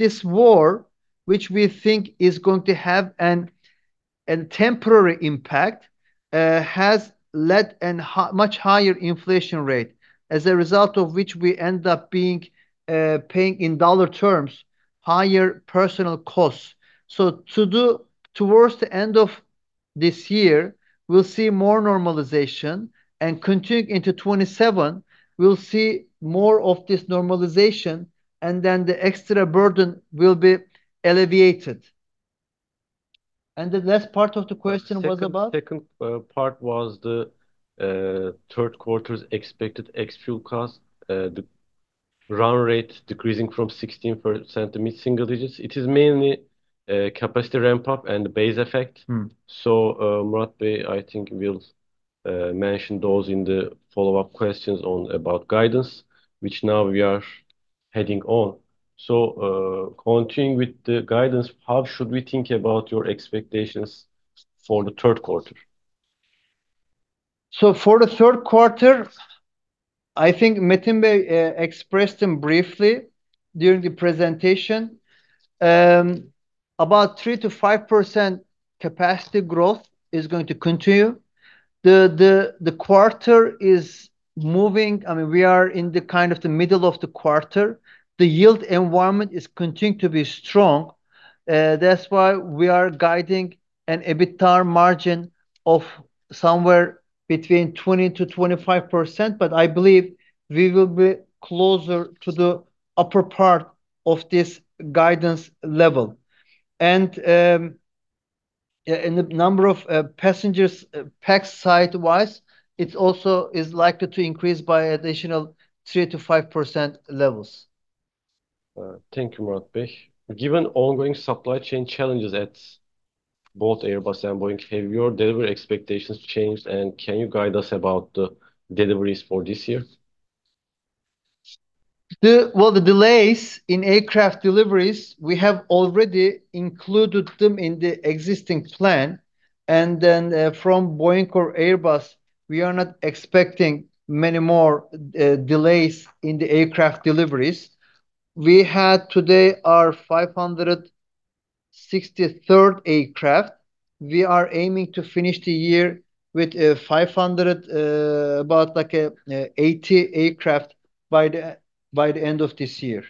This war, which we think is going to have a temporary impact, has led a much higher inflation rate, as a result of which we end up paying, in dollar terms, higher personal costs. Towards the end of this year, we'll see more normalization, continuing into 2027, we'll see more of this normalization, the extra burden will be alleviated. The last part of the question was about? Second part was the third quarter's expected ex-fuel cost, the run rate decreasing from 16% to mid-single digits. It is mainly capacity ramp-up and base effect. Murat Bey, I think we'll mention those in the follow-up questions about guidance, which now we are heading on. Continuing with the guidance, how should we think about your expectations for the third quarter? For the third quarter, I think Metin Bey expressed them briefly during the presentation. About 3%-5% capacity growth is going to continue. The quarter is moving. We are in the middle of the quarter. The yield environment is continuing to be strong. That's why we are guiding an EBITDA margin of somewhere between 20%-25%, but I believe we will be closer to the upper part of this guidance level. The number of passengers, pax-side wise, it also is likely to increase by additional 3%-5% levels. Thank you, Murat Bey. Given ongoing supply chain challenges at both Airbus and Boeing, have your delivery expectations changed? Can you guide us about the deliveries for this year? Well, the delays in aircraft deliveries, we have already included them in the existing plan. From Boeing or Airbus, we are not expecting many more delays in the aircraft deliveries. We had today our 563rd aircraft. We are aiming to finish the year with 500, about 80 aircraft by the end of this year.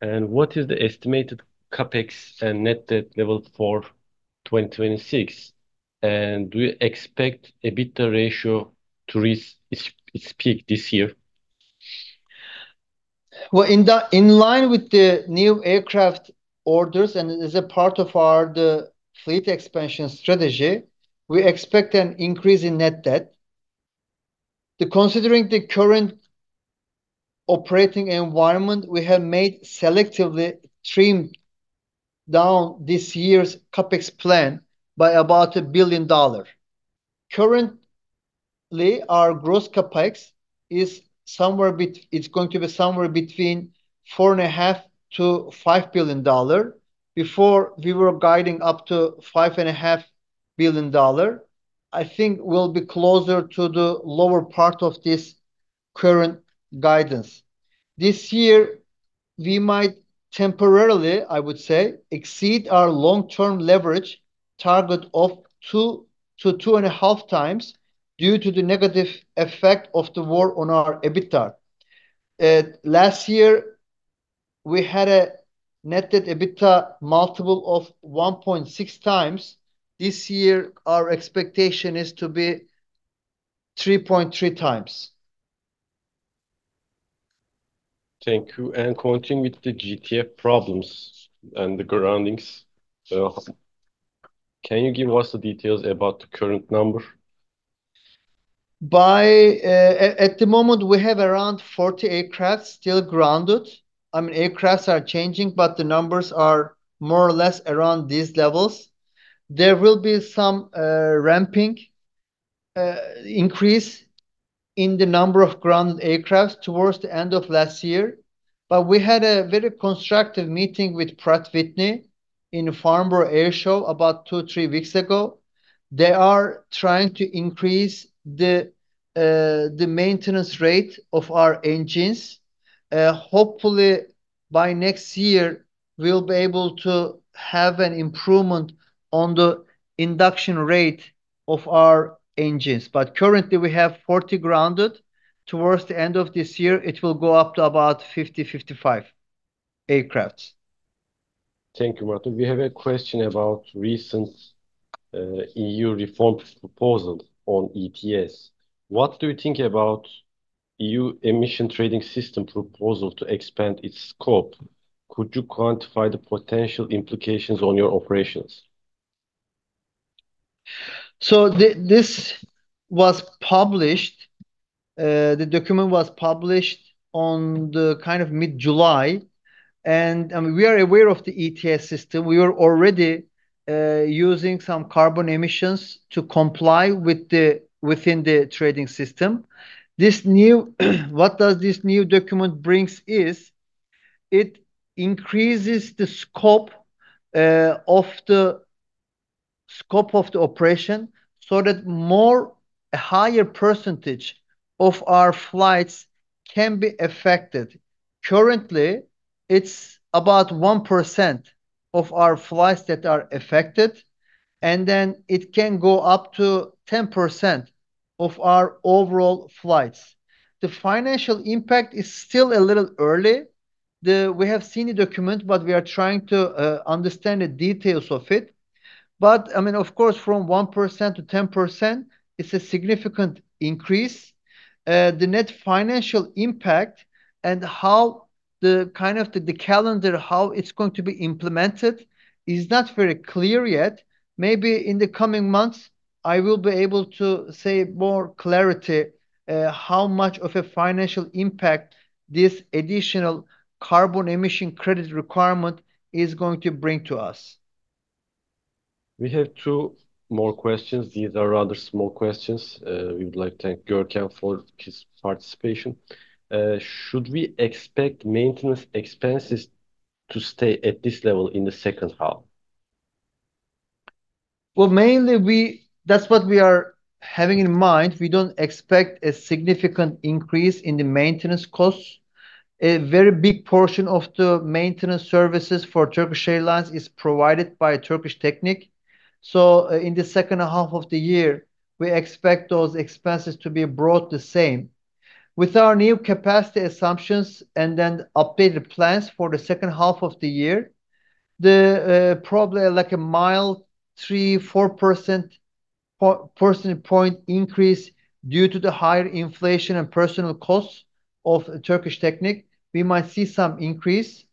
What is the estimated CapEx and net debt level for 2026? Do you expect EBITDA ratio to reach its peak this year? Well, in line with the new aircraft orders and as a part of our fleet expansion strategy, we expect an increase in net debt. Considering the current operating environment, we have made selectively trimmed down this year's CapEx plan by about a billion dollar. Currently, our gross CapEx, it's going to be somewhere between $4.5 billion-$5 billion. Before, we were guiding up to $5.5 billion. I think we'll be closer to the lower part of this current guidance. This year, we might temporarily, I would say, exceed our long-term leverage target of 2 to 2.5x due to the negative effect of the war on our EBITDA. Last year, we had a net debt EBITDA multiple of 1.6x. This year, our expectation is to be 3.3x. Thank you. Continuing with the GTF problems and the groundings, can you give us the details about the current number? At the moment, we have around 40 aircraft still grounded. Aircraft are changing, but the numbers are more or less around these levels. There will be some ramping increase in the number of grounded aircraft towards the end of last year. We had a very constructive meeting with Pratt & Whitney in Farnborough Airshow about two or three weeks ago. They are trying to increase the maintenance rate of our engines. Hopefully, by next year, we'll be able to have an improvement on the induction rate of our engines. Currently, we have 40 grounded. Towards the end of this year, it will go up to about 50, 55 aircrafts. Thank you, Murat. We have a question about recent EU reform proposal on ETS. What do you think about EU Emission Trading System proposal to expand its scope? Could you quantify the potential implications on your operations? The document was published on the mid-July. We are aware of the ETS system. We are already using some carbon emissions to comply within the trading system. What does this new document brings is it increases the scope of the operation so that a higher percentage of our flights can be affected. Currently, it's about 1% of our flights that are affected, and then it can go up to 10% of our overall flights. The financial impact is still a little early. We have seen the document, we are trying to understand the details of it. Of course, from 1% to 10%, it's a significant increase. The net financial impact and the calendar, how it's going to be implemented is not very clear yet. Maybe in the coming months, I will be able to say more clarity how much of a financial impact this additional carbon emission credit requirement is going to bring to us. We have two more questions. These are rather small questions. We would like to thank Gorkem for his participation. Should we expect maintenance expenses to stay at this level in the second half? Well, mainly, that's what we are having in mind. We don't expect a significant increase in the maintenance costs. A very big portion of the maintenance services for Turkish Airlines is provided by Turkish Technic. In the second half of the year, we expect those expenses to be about the same. With our new capacity assumptions, then updated plans for the second half of the year, probably like a mild 3%-4% percentage point increase due to the higher inflation and personal costs of Turkish Technic, we might see some increase.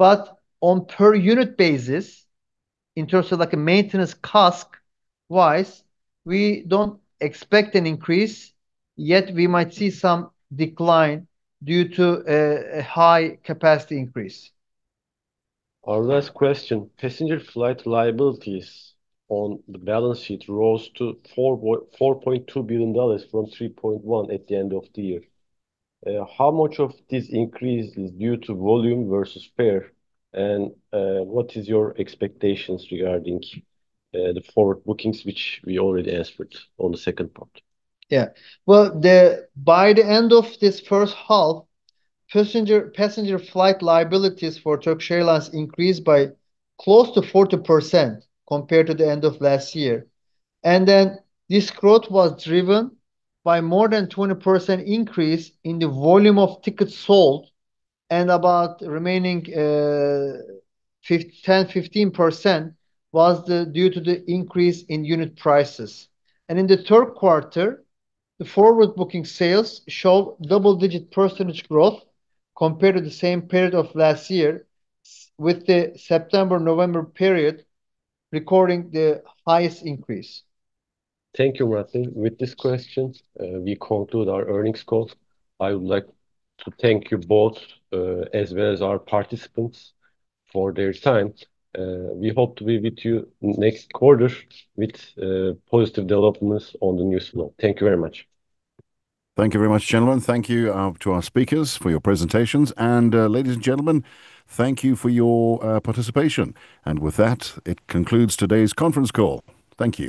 On per unit basis, in terms of a maintenance CASK-wise, we don't expect an increase, yet we might see some decline due to a high capacity increase. Our last question, passenger flight liabilities on the balance sheet rose to $4.2 billion from $3.1 billion at the end of the year. How much of this increase is due to volume versus fare? What is your expectations regarding the forward bookings, which we already answered on the second part? Well, by the end of this first half, passenger flight liabilities for Turkish Airlines increased by close to 40% compared to the end of last year. Then this growth was driven by more than 20% increase in the volume of tickets sold and about remaining 10%-15% was due to the increase in unit prices. In the third quarter, the forward-booking sales show double-digit percentage growth compared to the same period of last year, with the September-November period recording the highest increase. Thank you, Murat. With these questions, we conclude our earnings call. I would like to thank you both, as well as our participants for their time. We hope to be with you next quarter with positive developments on the news flow. Thank you very much. Thank you very much, gentlemen. Thank you to our speakers for your presentations. Ladies and gentlemen, thank you for your participation. With that, it concludes today's conference call. Thank you